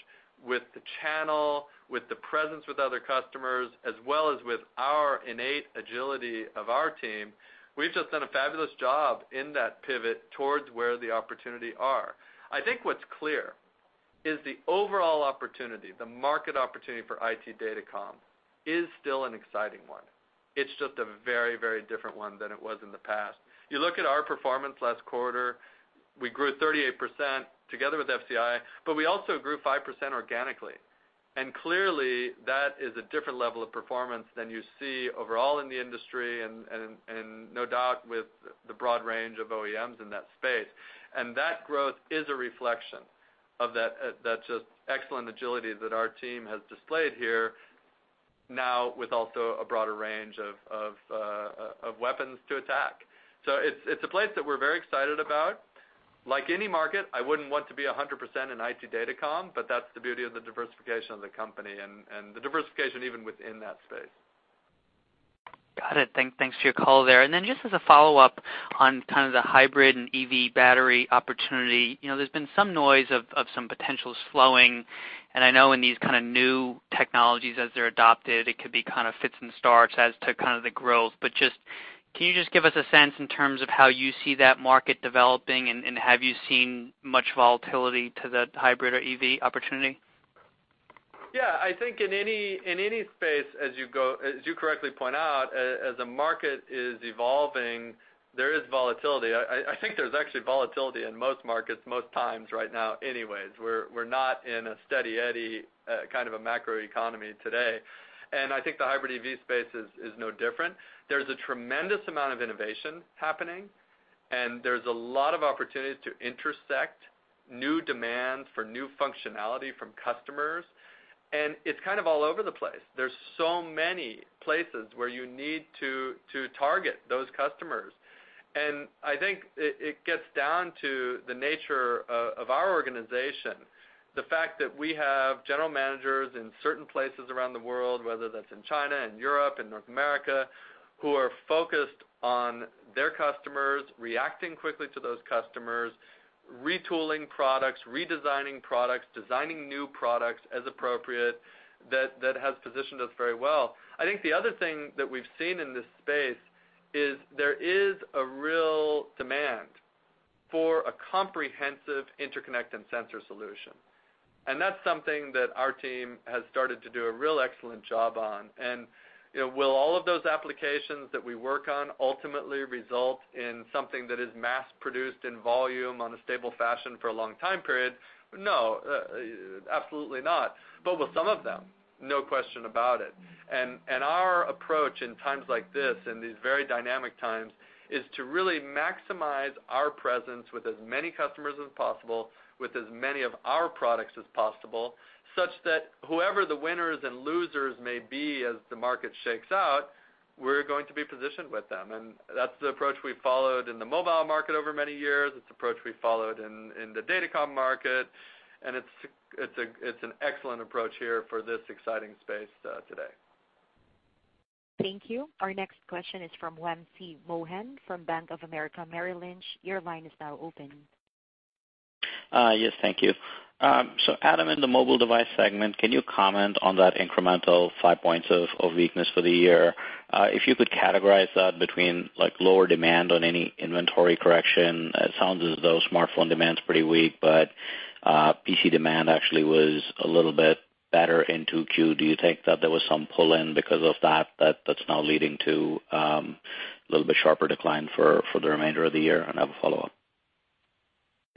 with the channel, with the presence with other customers, as well as with our innate agility of our team, we've just done a fabulous job in that pivot towards where the opportunity are. I think what's clear is the overall opportunity, the market opportunity for IT datacom, is still an exciting one. It's just a very, very different one than it was in the past. You look at our performance last quarter, we grew 38% together with FCI, but we also grew 5% organically. And clearly, that is a different level of performance than you see overall in the industry and no doubt, with the broad range of OEMs in that space. And that growth is a reflection of that, that just excellent agility that our team has displayed here, now with also a broader range of weapons to attack. So it's a place that we're very excited about. Like any market, I wouldn't want to be 100% in IT data comm, but that's the beauty of the diversification of the company and the diversification even within that space. Got it. Thanks for your call there. And then just as a follow-up on kind of the hybrid and EV battery opportunity, you know, there's been some noise of, of some potentials flowing, and I know in these kind of new technologies, as they're adopted, it could be kind of fits and starts as to kind of the growth. But just, can you just give us a sense in terms of how you see that market developing, and, and have you seen much volatility to the hybrid or EV opportunity? Yeah, I think in any space, as you correctly point out, as the market is evolving, there is volatility. I think there's actually volatility in most markets, most times right now anyways. We're not in a steady eddy kind of a macroeconomy today, and I think the hybrid EV space is no different. There's a tremendous amount of innovation happening, and there's a lot of opportunities to intersect new demands for new functionality from customers, and it's kind of all over the place. There's so many places where you need to target those customers. And I think it gets down to the nature of our organization. The fact that we have general managers in certain places around the world, whether that's in China and Europe and North America, who are focused on their customers, reacting quickly to those customers, retooling products, redesigning products, designing new products as appropriate, that, that has positioned us very well. I think the other thing that we've seen in this space is there is a real demand for a comprehensive interconnect and sensor solution, and that's something that our team has started to do a real excellent job on. And, you know, will all of those applications that we work on ultimately result in something that is mass produced in volume on a stable fashion for a long time period? No, absolutely not. But with some of them, no question about it. Our approach in times like this, in these very dynamic times, is to really maximize our presence with as many customers as possible, with as many of our products as possible, such that whoever the winners and losers may be as the market shakes out, we're going to be positioned with them. And that's the approach we followed in the mobile market over many years. It's the approach we followed in the datacom market, and it's an excellent approach here for this exciting space today. Thank you. Our next question is from Wamsi Mohan from Bank of America Merrill Lynch. Your line is now open.... Yes, thank you. So Adam, in the mobile device segment, can you comment on that incremental 5 points of weakness for the year? If you could categorize that between, like, lower demand or any inventory correction. It sounds as though smartphone demand's pretty weak, but PC demand actually was a little bit better in 2Q. Do you think that there was some pull-in because of that that's now leading to a little bit sharper decline for the remainder of the year? And I have a follow-up.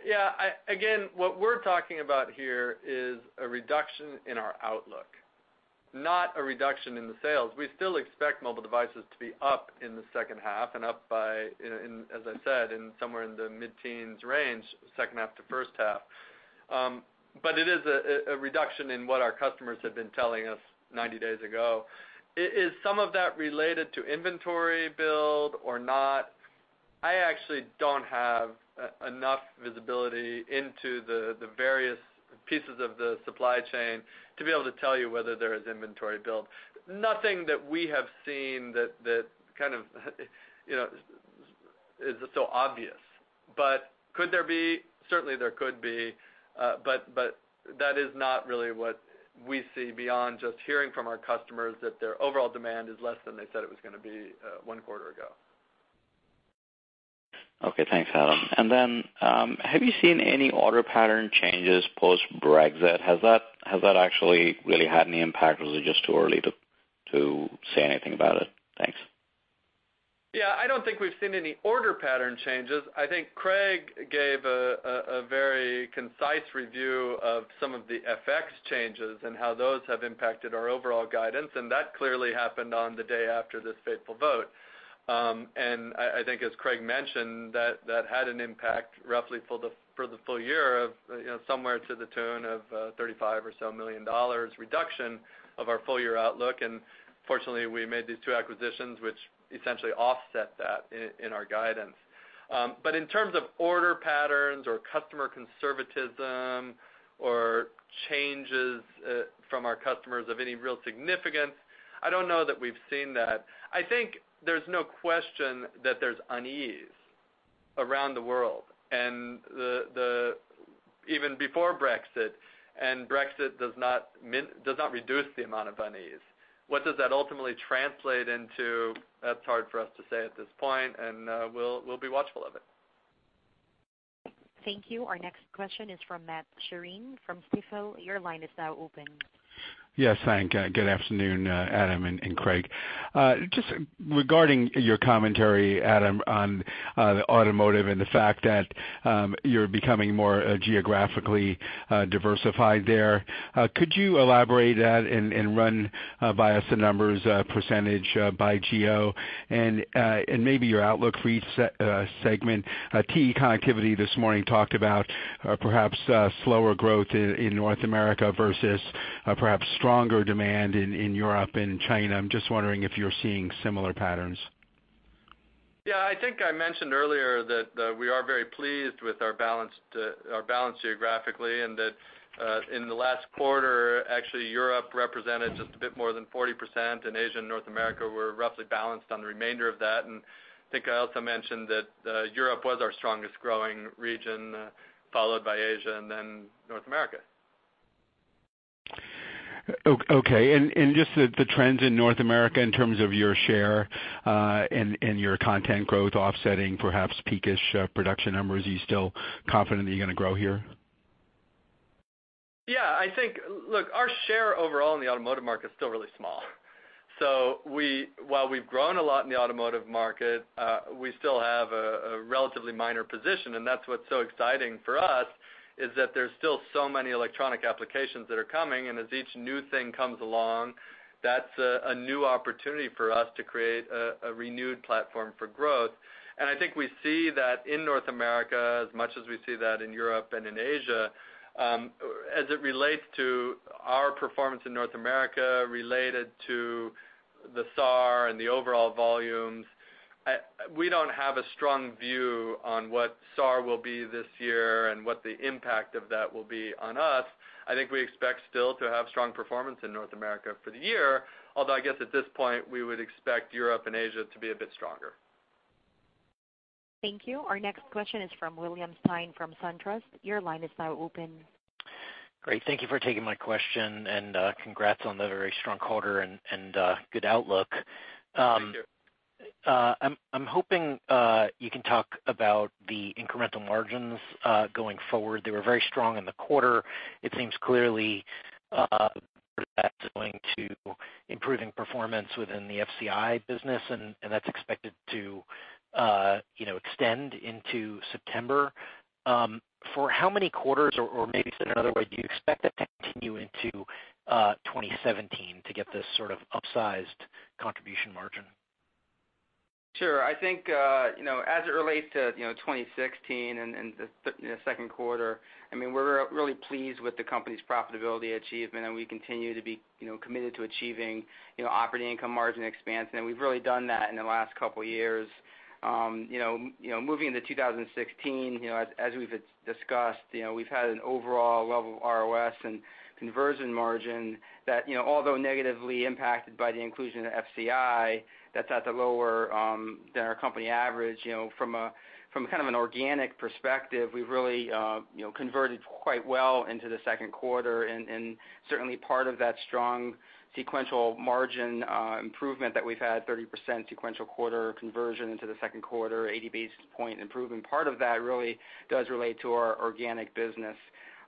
Yeah, again, what we're talking about here is a reduction in our outlook, not a reduction in the sales. We still expect mobile devices to be up in the second half and up by, as I said, in somewhere in the mid-teens range, second half to first half. But it is a reduction in what our customers had been telling us 90 days ago. Is some of that related to inventory build or not? I actually don't have enough visibility into the various pieces of the supply chain to be able to tell you whether there is inventory build. Nothing that we have seen that kind of, you know, is so obvious. But could there be? Certainly, there could be, but, but that is not really what we see beyond just hearing from our customers that their overall demand is less than they said it was gonna be, one quarter ago. Okay, thanks, Adam. Then, have you seen any order pattern changes post-Brexit? Has that actually really had any impact, or is it just too early to say anything about it? Thanks. Yeah, I don't think we've seen any order pattern changes. I think Craig gave a very concise review of some of the FX changes and how those have impacted our overall guidance, and that clearly happened on the day after this fateful vote. And I think, as Craig mentioned, that had an impact roughly for the full year of, you know, somewhere to the tune of $35 million or so reduction of our full year outlook. And fortunately, we made these two acquisitions, which essentially offset that in our guidance. But in terms of order patterns or customer conservatism or changes from our customers of any real significance, I don't know that we've seen that. I think there's no question that there's unease around the world, and the... even before Brexit, and Brexit does not reduce the amount of unease. What does that ultimately translate into? That's hard for us to say at this point, and we'll be watchful of it. Thank you. Our next question is from Matt Sheerin from Stifel. Your line is now open. Yes, thank you. Good afternoon, Adam and Craig. Just regarding your commentary, Adam, on the automotive and the fact that you're becoming more geographically diversified there. Could you elaborate that and run by us the numbers, percentage, by geo, and maybe your outlook for each segment? TE Connectivity this morning talked about perhaps slower growth in North America versus perhaps stronger demand in Europe and in China. I'm just wondering if you're seeing similar patterns. Yeah, I think I mentioned earlier that we are very pleased with our balance—our balance geographically, and that in the last quarter, actually, Europe represented just a bit more than 40%, and Asia and North America were roughly balanced on the remainder of that. And I think I also mentioned that Europe was our strongest growing region, followed by Asia and then North America. Okay, and just the trends in North America in terms of your share, and your content growth offsetting perhaps peak-ish production numbers, are you still confident that you're gonna grow here? Yeah, I think. Look, our share overall in the automotive market is still really small. So while we've grown a lot in the automotive market, we still have a relatively minor position, and that's what's so exciting for us, is that there's still so many electronic applications that are coming, and as each new thing comes along, that's a new opportunity for us to create a renewed platform for growth. And I think we see that in North America as much as we see that in Europe and in Asia. As it relates to our performance in North America, related to the SAR and the overall volumes, we don't have a strong view on what SAR will be this year and what the impact of that will be on us. I think we expect still to have strong performance in North America for the year, although I guess at this point, we would expect Europe and Asia to be a bit stronger. Thank you. Our next question is from William Stein, from SunTrust. Your line is now open. Great, thank you for taking my question, and, congrats on the very strong quarter and, and, good outlook. Thank you. I'm hoping you can talk about the incremental margins going forward. They were very strong in the quarter. It seems clearly that's going to improving performance within the FCI business, and that's expected to, you know, extend into September. For how many quarters, or maybe said another way, do you expect that to continue into 2017 to get this sort of upsized contribution margin? Sure. I think, you know, as it relates to, you know, 2016 and, and the, the second quarter, I mean, we're really pleased with the company's profitability achievement, and we continue to be, you know, committed to achieving, you know, operating income margin expansion, and we've really done that in the last couple years. You know, you know, moving into 2016, you know, as, as we've discussed, you know, we've had an overall level of ROS and conversion margin that, you know, although negatively impacted by the inclusion of FCI, that's at the lower, than our company average. You know, from a, from kind of an organic perspective, we've really, you know, converted quite well into the second quarter. Certainly part of that strong sequential margin improvement that we've had, 30% sequential quarter conversion into the second quarter, 80 basis points improvement, part of that really does relate to our organic business.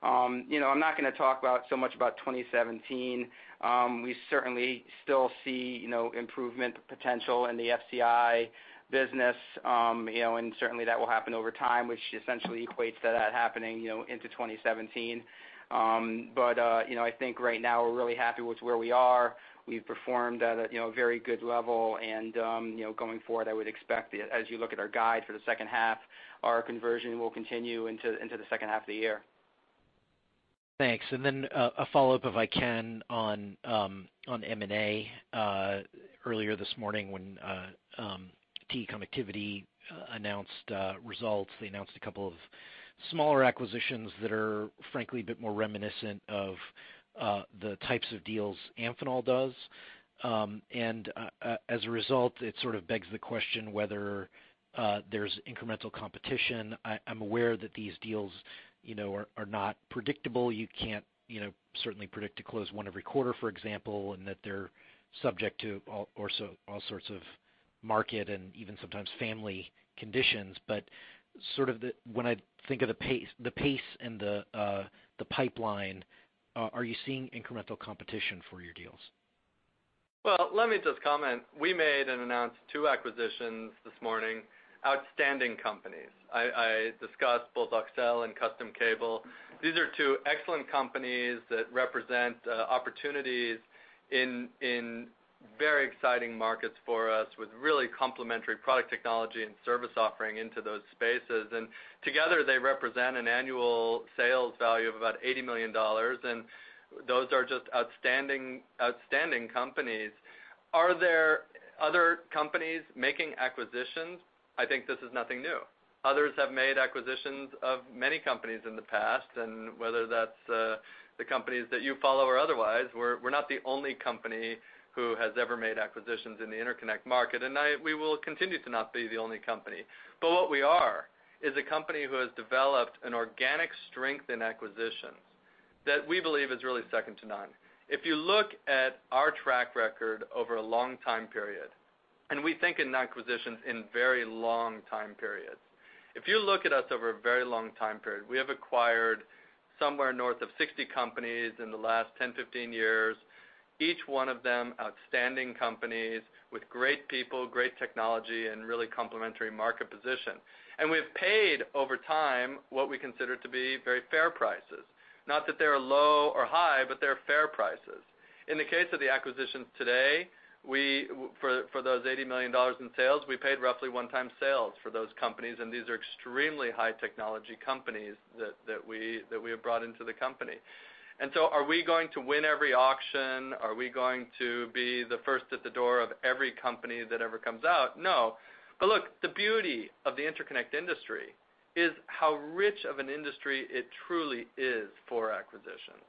You know, I'm not gonna talk about so much about 2017. We certainly still see, you know, improvement potential in the FCI business. You know, and certainly, that will happen over time, which essentially equates to that happening, you know, into 2017. But, you know, I think right now, we're really happy with where we are. We've performed at a, you know, very good level, and, you know, going forward, I would expect that as you look at our guide for the second half, our conversion will continue into the second half of the year. Thanks. And then, a follow-up, if I can, on M&A. Earlier this morning, when TE Connectivity announced results, they announced a couple of smaller acquisitions that are, frankly, a bit more reminiscent of the types of deals Amphenol does. And as a result, it sort of begs the question whether there's incremental competition. I'm aware that these deals, you know, are not predictable. You can't, you know, certainly predict to close one every quarter, for example, and that they're subject to all sorts of market and even sometimes family conditions. But sort of when I think of the pace, the pace and the pipeline, are you seeing incremental competition for your deals? Well, let me just comment. We made and announced two acquisitions this morning, outstanding companies. I discussed both Auxel and Custom Cable. These are two excellent companies that represent opportunities in very exciting markets for us, with really complementary product technology and service offering into those spaces. And together, they represent an annual sales value of about $80 million, and those are just outstanding, outstanding companies. Are there other companies making acquisitions? I think this is nothing new. Others have made acquisitions of many companies in the past, and whether that's the companies that you follow or otherwise, we're not the only company who has ever made acquisitions in the interconnect market, and we will continue to not be the only company. But what we are, is a company who has developed an organic strength in acquisitions that we believe is really second to none. If you look at our track record over a long time period, and we think in acquisitions in very long time periods. If you look at us over a very long time period, we have acquired somewhere north of 60 companies in the last 10, 15 years, each one of them outstanding companies with great people, great technology, and really complementary market position. And we've paid, over time, what we consider to be very fair prices. Not that they're low or high, but they're fair prices. In the case of the acquisitions today, we for, for those $80 million in sales, we paid roughly 1x sales for those companies, and these are extremely high technology companies that we have brought into the company. So are we going to win every auction? Are we going to be the first at the door of every company that ever comes out? No. But look, the beauty of the interconnect industry is how rich of an industry it truly is for acquisitions.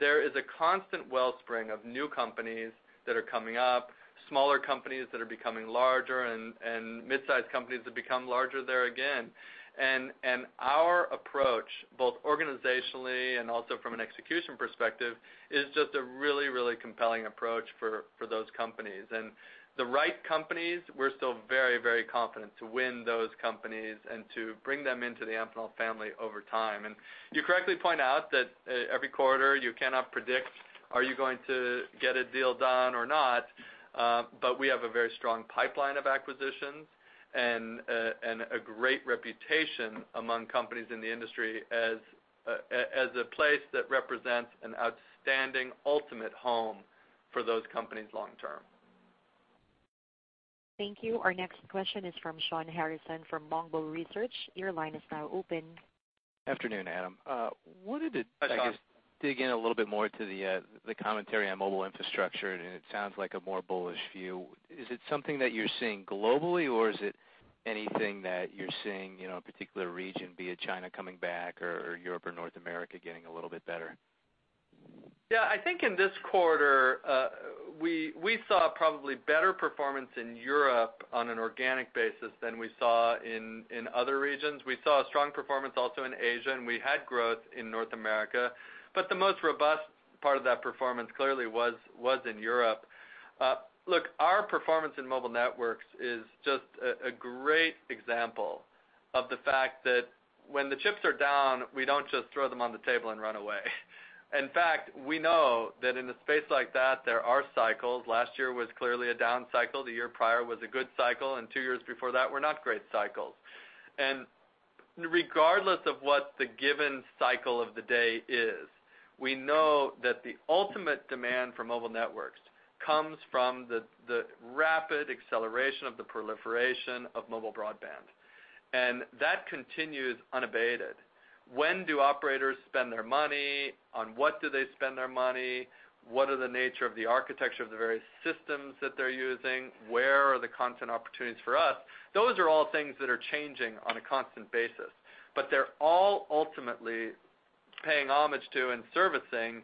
There is a constant wellspring of new companies that are coming up, smaller companies that are becoming larger and mid-sized companies that become larger there again. And our approach, both organizationally and also from an execution perspective, is just a really, really compelling approach for those companies. The right companies, we're still very, very confident to win those companies and to bring them into the Amphenol family over time. You correctly point out that, every quarter, you cannot predict, are you going to get a deal done or not? But we have a very strong pipeline of acquisitions and a great reputation among companies in the industry as a place that represents an outstanding ultimate home for those companies long term. Thank you. Our next question is from Shawn Harrison, from Longbow Research. Your line is now open. Afternoon, Adam. Wanted to- Hi, Sean... I guess, dig in a little bit more to the, the commentary on mobile infrastructure, and it sounds like a more bullish view. Is it something that you're seeing globally, or is it anything that you're seeing, you know, a particular region, be it China coming back or Europe or North America getting a little bit better? Yeah, I think in this quarter, we saw probably better performance in Europe on an organic basis than we saw in other regions. We saw a strong performance also in Asia, and we had growth in North America, but the most robust part of that performance clearly was in Europe. Look, our performance in mobile networks is just a great example of the fact that when the chips are down, we don't just throw them on the table and run away. In fact, we know that in a space like that, there are cycles. Last year was clearly a down cycle. The year prior was a good cycle, and two years before that were not great cycles. And-... Regardless of what the given cycle of the day is, we know that the ultimate demand for mobile networks comes from the rapid acceleration of the proliferation of mobile broadband, and that continues unabated. When do operators spend their money? On what do they spend their money? What are the nature of the architecture of the various systems that they're using? Where are the content opportunities for us? Those are all things that are changing on a constant basis, but they're all ultimately paying homage to and servicing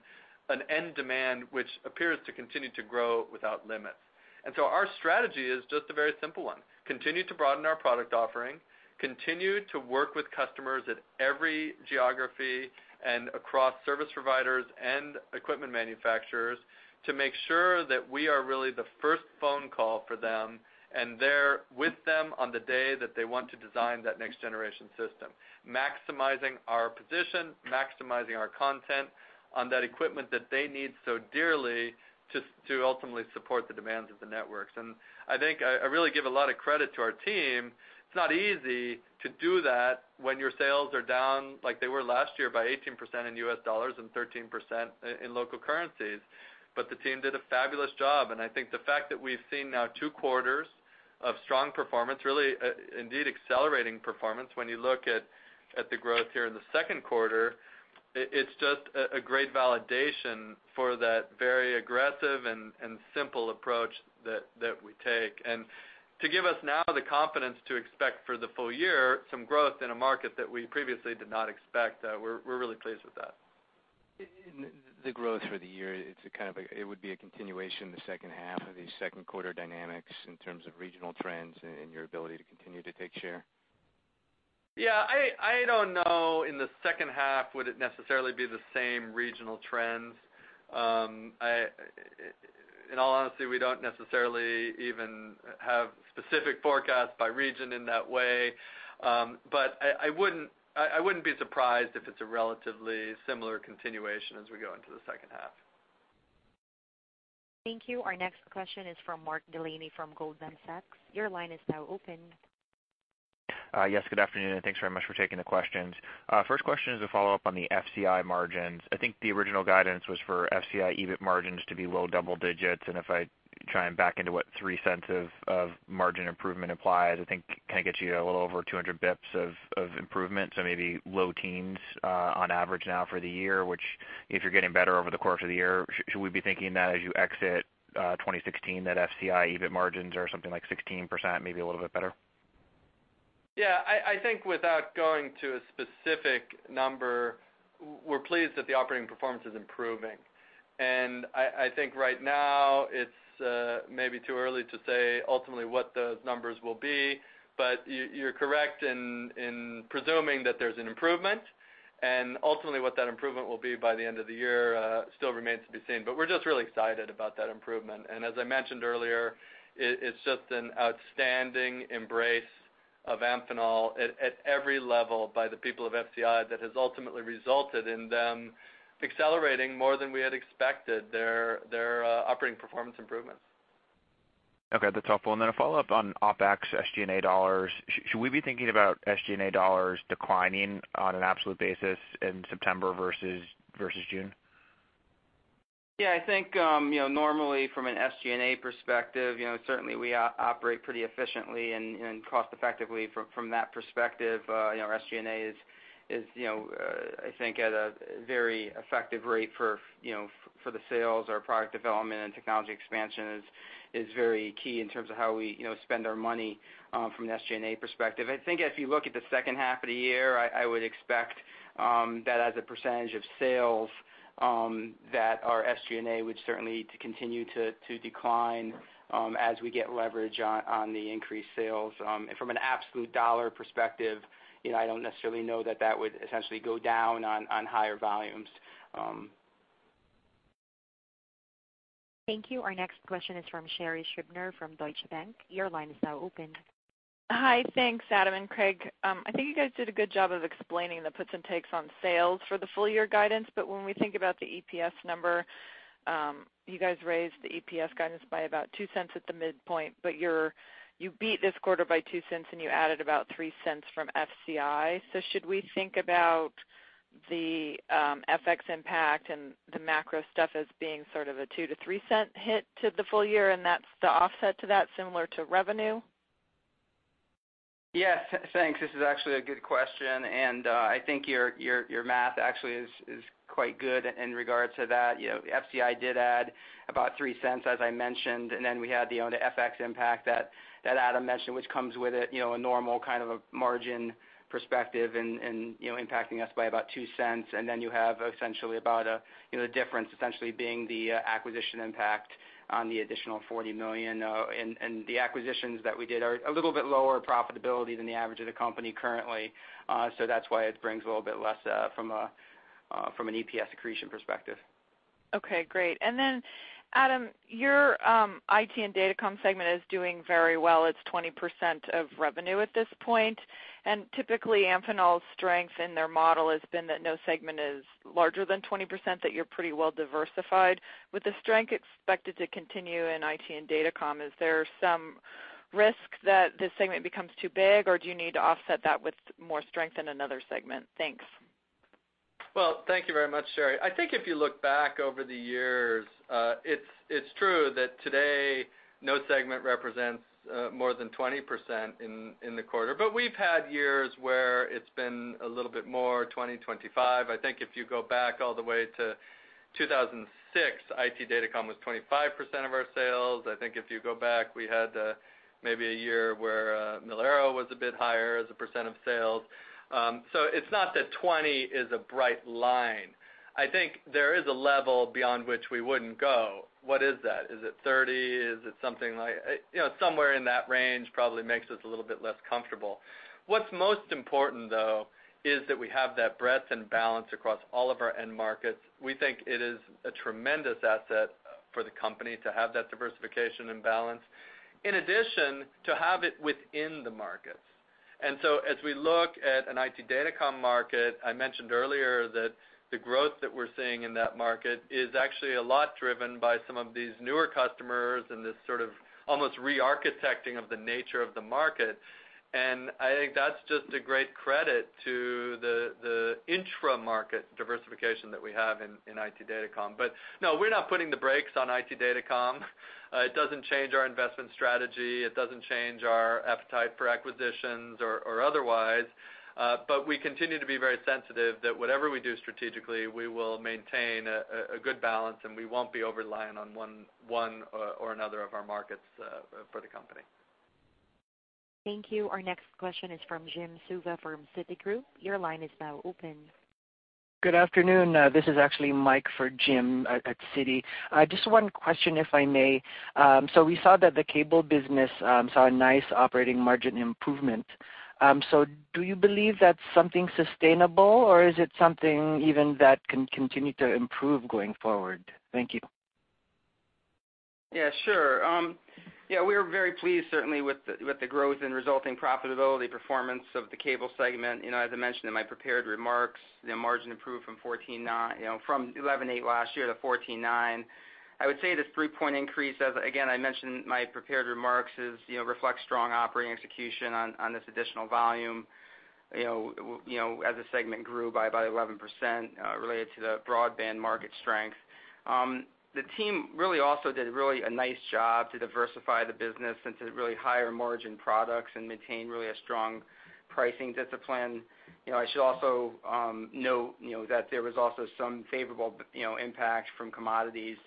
an end demand, which appears to continue to grow without limits. And so our strategy is just a very simple one: continue to broaden our product offering, continue to work with customers at every geography and across service providers and equipment manufacturers to make sure that we are really the first phone call for them, and there with them on the day that they want to design that next generation system, maximizing our position, maximizing our content on that equipment that they need so dearly to, to ultimately support the demands of the networks. And I think I, I really give a lot of credit to our team. It's not easy to do that when your sales are down like they were last year by 18% in US dollars and 13% in, in local currencies. The team did a fabulous job, and I think the fact that we've seen now two quarters of strong performance, really, indeed accelerating performance when you look at the growth here in the second quarter, it's just a great validation for that very aggressive and simple approach that we take. To give us now the confidence to expect for the full year, some growth in a market that we previously did not expect, we're really pleased with that. The growth for the year, it's a kind of it would be a continuation in the second half of the second quarter dynamics in terms of regional trends and your ability to continue to take share? Yeah, I don't know, in the second half, would it necessarily be the same regional trends? In all honesty, we don't necessarily even have specific forecasts by region in that way. But I wouldn't be surprised if it's a relatively similar continuation as we go into the second half. Thank you. Our next question is from Mark Delaney from Goldman Sachs. Your line is now open. Yes, good afternoon, and thanks very much for taking the questions. First question is a follow-up on the FCI margins. I think the original guidance was for FCI EBIT margins to be low double digits, and if I try and back into what $0.03 of margin improvement applies, I think kinda gets you to a little over 200 basis points of improvement, so maybe low teens on average now for the year, which if you're getting better over the course of the year, should we be thinking that as you exit 2016, that FCI EBIT margins are something like 16%, maybe a little bit better? Yeah, I think without going to a specific number, we're pleased that the operating performance is improving. And I think right now it's maybe too early to say ultimately what those numbers will be, but you're correct in presuming that there's an improvement, and ultimately, what that improvement will be by the end of the year still remains to be seen. But we're just really excited about that improvement. And as I mentioned earlier, it's just an outstanding embrace of Amphenol at every level by the people of FCI that has ultimately resulted in them accelerating more than we had expected their operating performance improvements. Okay, that's helpful. And then a follow-up on OpEx SG&A dollars. Should we be thinking about SG&A dollars declining on an absolute basis in September versus, versus June? Yeah, I think, you know, normally from an SG&A perspective, you know, certainly we operate pretty efficiently and cost effectively from that perspective. You know, our SG&A is, you know, I think at a very effective rate for the sales. Our product development and technology expansion is very key in terms of how we, you know, spend our money from an SG&A perspective. I think if you look at the second half of the year, I would expect that as a percentage of sales that our SG&A would certainly to continue to decline as we get leverage on the increased sales. And from an absolute dollar perspective, you know, I don't necessarily know that that would essentially go down on higher volumes. Thank you. Our next question is from Sherri Scribner from Deutsche Bank. Your line is now open. Hi. Thanks, Adam and Craig. I think you guys did a good job of explaining the puts and takes on sales for the full year guidance, but when we think about the EPS number, you guys raised the EPS guidance by about $0.02 at the midpoint, but you beat this quarter by $0.02, and you added about $0.03 from FCI. So should we think about the FX impact and the macro stuff as being sort of a $0.02-$0.03 hit to the full year, and that's the offset to that, similar to revenue? Yes, thanks. This is actually a good question, and I think your math actually is quite good in regards to that. You know, FCI did add about $0.03, as I mentioned, and then we had, you know, the FX impact that Adam mentioned, which comes with it, you know, a normal kind of a margin perspective and, you know, impacting us by about $0.02. And then you have essentially about a, you know, difference essentially being the acquisition impact on the additional $40 million, and the acquisitions that we did are a little bit lower profitability than the average of the company currently. So that's why it brings a little bit less from a from an EPS accretion perspective. Okay, great. And then, Adam, your IT and datacom segment is doing very well. It's 20% of revenue at this point, and typically, Amphenol's strength in their model has been that no segment is larger than 20%, that you're pretty well diversified. With the strength expected to continue in IT and datacom, is there some risk that this segment becomes too big, or do you need to offset that with more strength in another segment? Thanks. ... Well, thank you very much, Sherri. I think if you look back over the years, it's, it's true that today, no segment represents, more than 20% in, in the quarter. But we've had years where it's been a little bit more, 20, 25. I think if you go back all the way to 2006, IT Data Comm was 25% of our sales. I think if you go back, we had, maybe a year where, Mil/Aero was a bit higher as a percent of sales. So it's not that 20 is a bright line. I think there is a level beyond which we wouldn't go. What is that? Is it 30? Is it something like— You know, somewhere in that range probably makes us a little bit less comfortable. What's most important, though, is that we have that breadth and balance across all of our end markets. We think it is a tremendous asset for the company to have that diversification and balance, in addition, to have it within the markets. And so as we look at an IT Data Comm market, I mentioned earlier that the growth that we're seeing in that market is actually a lot driven by some of these newer customers and this sort of almost re-architecting of the nature of the market. And I think that's just a great credit to the, the intra-market diversification that we have in, in IT Data Comm. But no, we're not putting the brakes on IT Data Comm. It doesn't change our investment strategy, it doesn't change our appetite for acquisitions or otherwise. But we continue to be very sensitive that whatever we do strategically, we will maintain a good balance, and we won't be over-reliant on one or another of our markets, for the company. Thank you. Our next question is from Jim Suva from Citigroup. Your line is now open. Good afternoon, this is actually Mike for Jim at Citi. Just one question, if I may. So we saw that the cable business saw a nice operating margin improvement. So do you believe that's something sustainable, or is it something even that can continue to improve going forward? Thank you. Yeah, sure. Yeah, we were very pleased, certainly with the growth and resulting profitability performance of the cable segment. You know, as I mentioned in my prepared remarks, the margin improved from 11.8 last year to 14.9. I would say this 3-point increase, as again, I mentioned in my prepared remarks, is, you know, reflects strong operating execution on this additional volume, you know, as the segment grew by about 11%, related to the broadband market strength. The team really also did really a nice job to diversify the business into really higher margin products and maintain really a strong pricing discipline. You know, I should also note, you know, that there was also some favorable, you know, impact from commodities.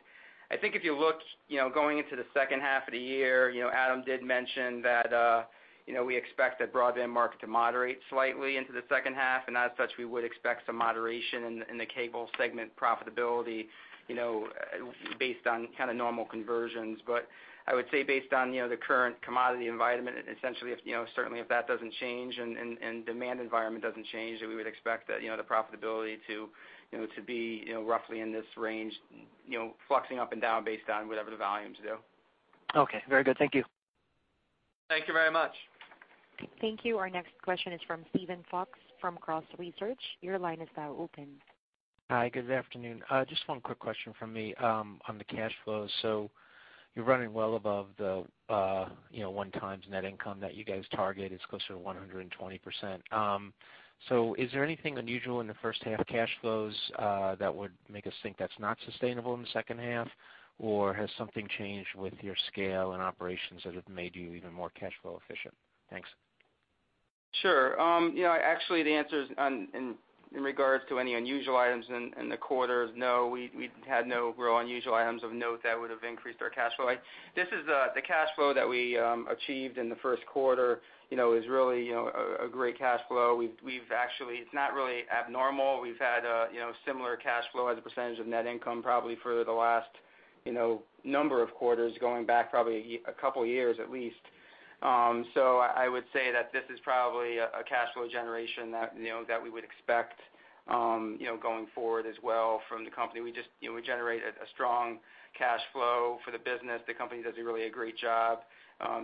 I think if you look, you know, going into the second half of the year, you know, Adam did mention that, you know, we expect the broadband market to moderate slightly into the second half, and as such, we would expect some moderation in the cable segment profitability, you know, based on kind of normal conversions. But I would say, based on, you know, the current commodity environment, essentially, if, you know, certainly if that doesn't change and demand environment doesn't change, then we would expect that, you know, the profitability to, you know, to be, you know, roughly in this range, you know, fluxing up and down based on whatever the volumes do. Okay, very good. Thank you. Thank you very much. Thank you. Our next question is from Steven Fox from Cross Research. Your line is now open. Hi, good afternoon. Just one quick question from me, on the cash flow. So you're running well above the, you know, 1 times net income that you guys targeted. It's closer to 120%. So is there anything unusual in the first half cash flows, that would make us think that's not sustainable in the second half? Or has something changed with your scale and operations that have made you even more cash flow efficient? Thanks. Sure. You know, actually, the answer is in regards to any unusual items in the quarter is no, we've had no real unusual items of note that would've increased our cash flow. This is the cash flow that we achieved in the first quarter, you know, is really a great cash flow. We've actually. It's not really abnormal. We've had you know, similar cash flow as a percentage of net income, probably for the last number of quarters, going back probably a couple of years at least. So I would say that this is probably a cash flow generation that you know that we would expect you know going forward as well from the company. We just you know we generate a strong cash flow for the business. The company does a really great job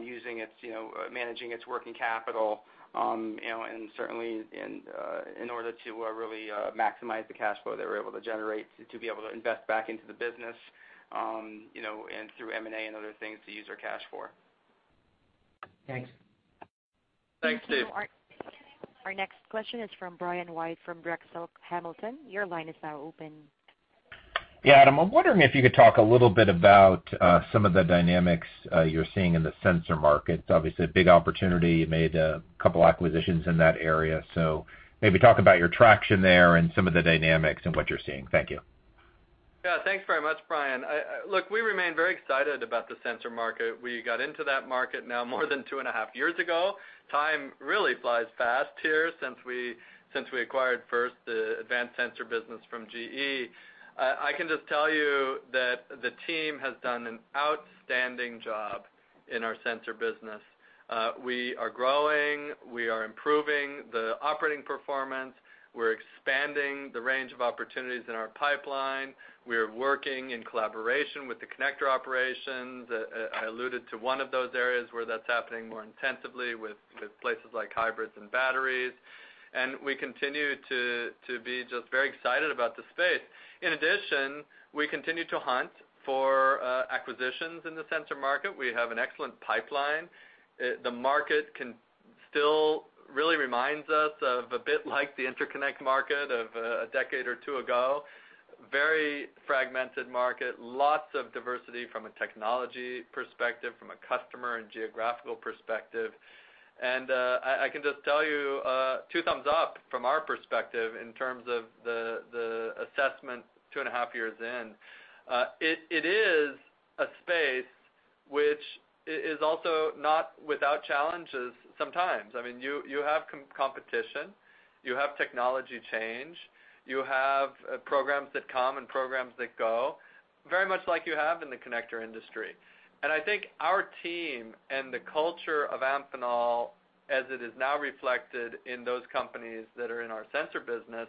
using its, you know, managing its working capital. You know, and certainly in order to really maximize the cash flow they were able to generate to be able to invest back into the business, you know, and through M&A other things to use our cash for. Thanks. Thanks, Steve. Our next question is from Brian White, from Drexel Hamilton. Your line is now open. Yeah, Adam, I'm wondering if you could talk a little bit about some of the dynamics you're seeing in the sensor market. Obviously, a big opportunity. You made a couple acquisitions in that area, so maybe talk about your traction there and some of the dynamics and what you're seeing. Thank you. Yeah, thanks very much, Brian. Look, we remain very excited about the sensor market. We got into that market now more than 2.5 years ago. Time really flies fast here since we acquired first the advanced sensor business from GE. I can just tell you that the team has done an outstanding job in our sensor business. We are growing, we are improving the operating performance, we're expanding the range of opportunities in our pipeline, we are working in collaboration with the connector operations. I alluded to one of those areas where that's happening more intensively with places like hybrids and batteries, and we continue to be just very excited about the space. In addition, we continue to hunt for acquisitions in the sensor market. We have an excellent pipeline. The market still really reminds us of a bit like the interconnect market of a decade or two ago. Very fragmented market, lots of diversity from a technology perspective, from a customer and geographical perspective. I can just tell you two thumbs up from our perspective in terms of the assessment two and a half years in. It is a space which is also not without challenges sometimes. I mean, you, you have competition, you have technology change, you have programs that come and programs that go, very much like you have in the connector industry. And I think our team and the culture of Amphenol, as it is now reflected in those companies that are in our sensor business,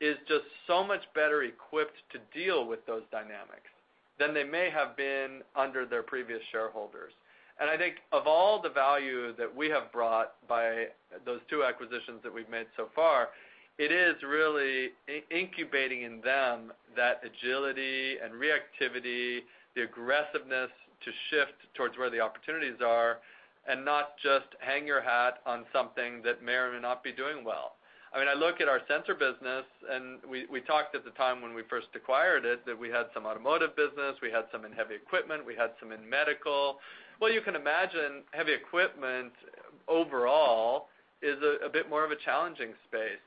is just so much better equipped to deal with those dynamics than they may have been under their previous shareholders. And I think of all the value that we have brought by those two acquisitions that we've made so far, it is really incubating in them that agility and reactivity, the aggressiveness to shift towards where the opportunities are and not just hang your hat on something that may or may not be doing well. I mean, I look at our sensor business, and we talked at the time when we first acquired it, that we had some automotive business, we had some in heavy equipment, we had some in medical. Well, you can imagine, heavy equipment, overall, is a bit more of a challenging space.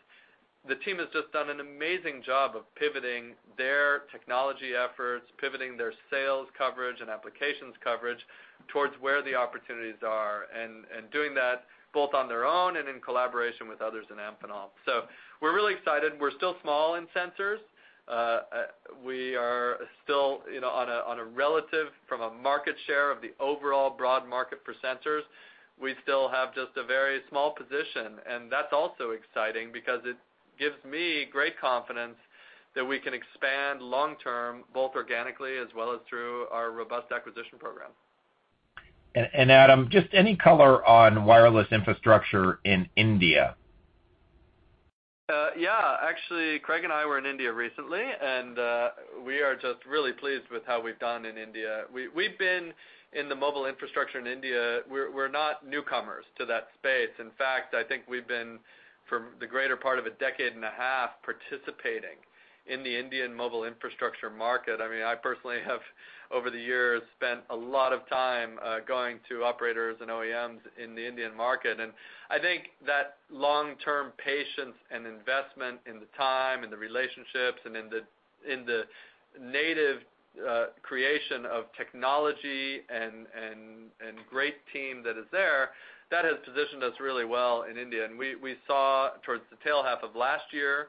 The team has just done an amazing job of pivoting their technology efforts, pivoting their sales coverage and applications coverage towards where the opportunities are, and doing that both on their own and in collaboration with others in Amphenol. So we're really excited. We're still small in sensors. We are still, you know, on a relative from a market share of the overall broad market for sensors. We still have just a very small position, and that's also exciting because it gives me great confidence that we can expand long term, both organically as well as through our robust acquisition program. Adam, just any color on wireless infrastructure in India? Yeah. Actually, Craig and I were in India recently, and we are just really pleased with how we've done in India. We've been in the mobile infrastructure in India—we're not newcomers to that space. In fact, I think we've been, for the greater part of a decade and a half, participating in the Indian mobile infrastructure market. I mean, I personally have, over the years, spent a lot of time going to operators and OEMs in the Indian market. And I think that long-term patience and investment in the time, in the relationships, and in the native creation of technology and great team that is there, that has positioned us really well in India. We saw towards the latter half of last year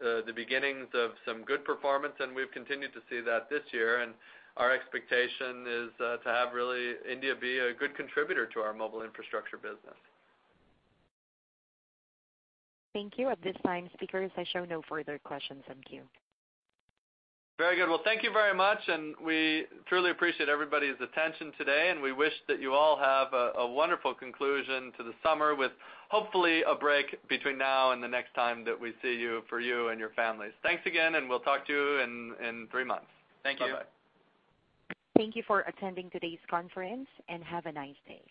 the beginnings of some good performance, and we've continued to see that this year. Our expectation is to have really India be a good contributor to our mobile infrastructure business. Thank you. At this time, speakers, I show no further questions in queue. Very good. Well, thank you very much, and we truly appreciate everybody's attention today, and we wish that you all have a wonderful conclusion to the summer, with hopefully a break between now and the next time that we see you, for you and your families. Thanks again, and we'll talk to you in three months. Thank you. Bye-bye. Thank you for attending today's conference, and have a nice day.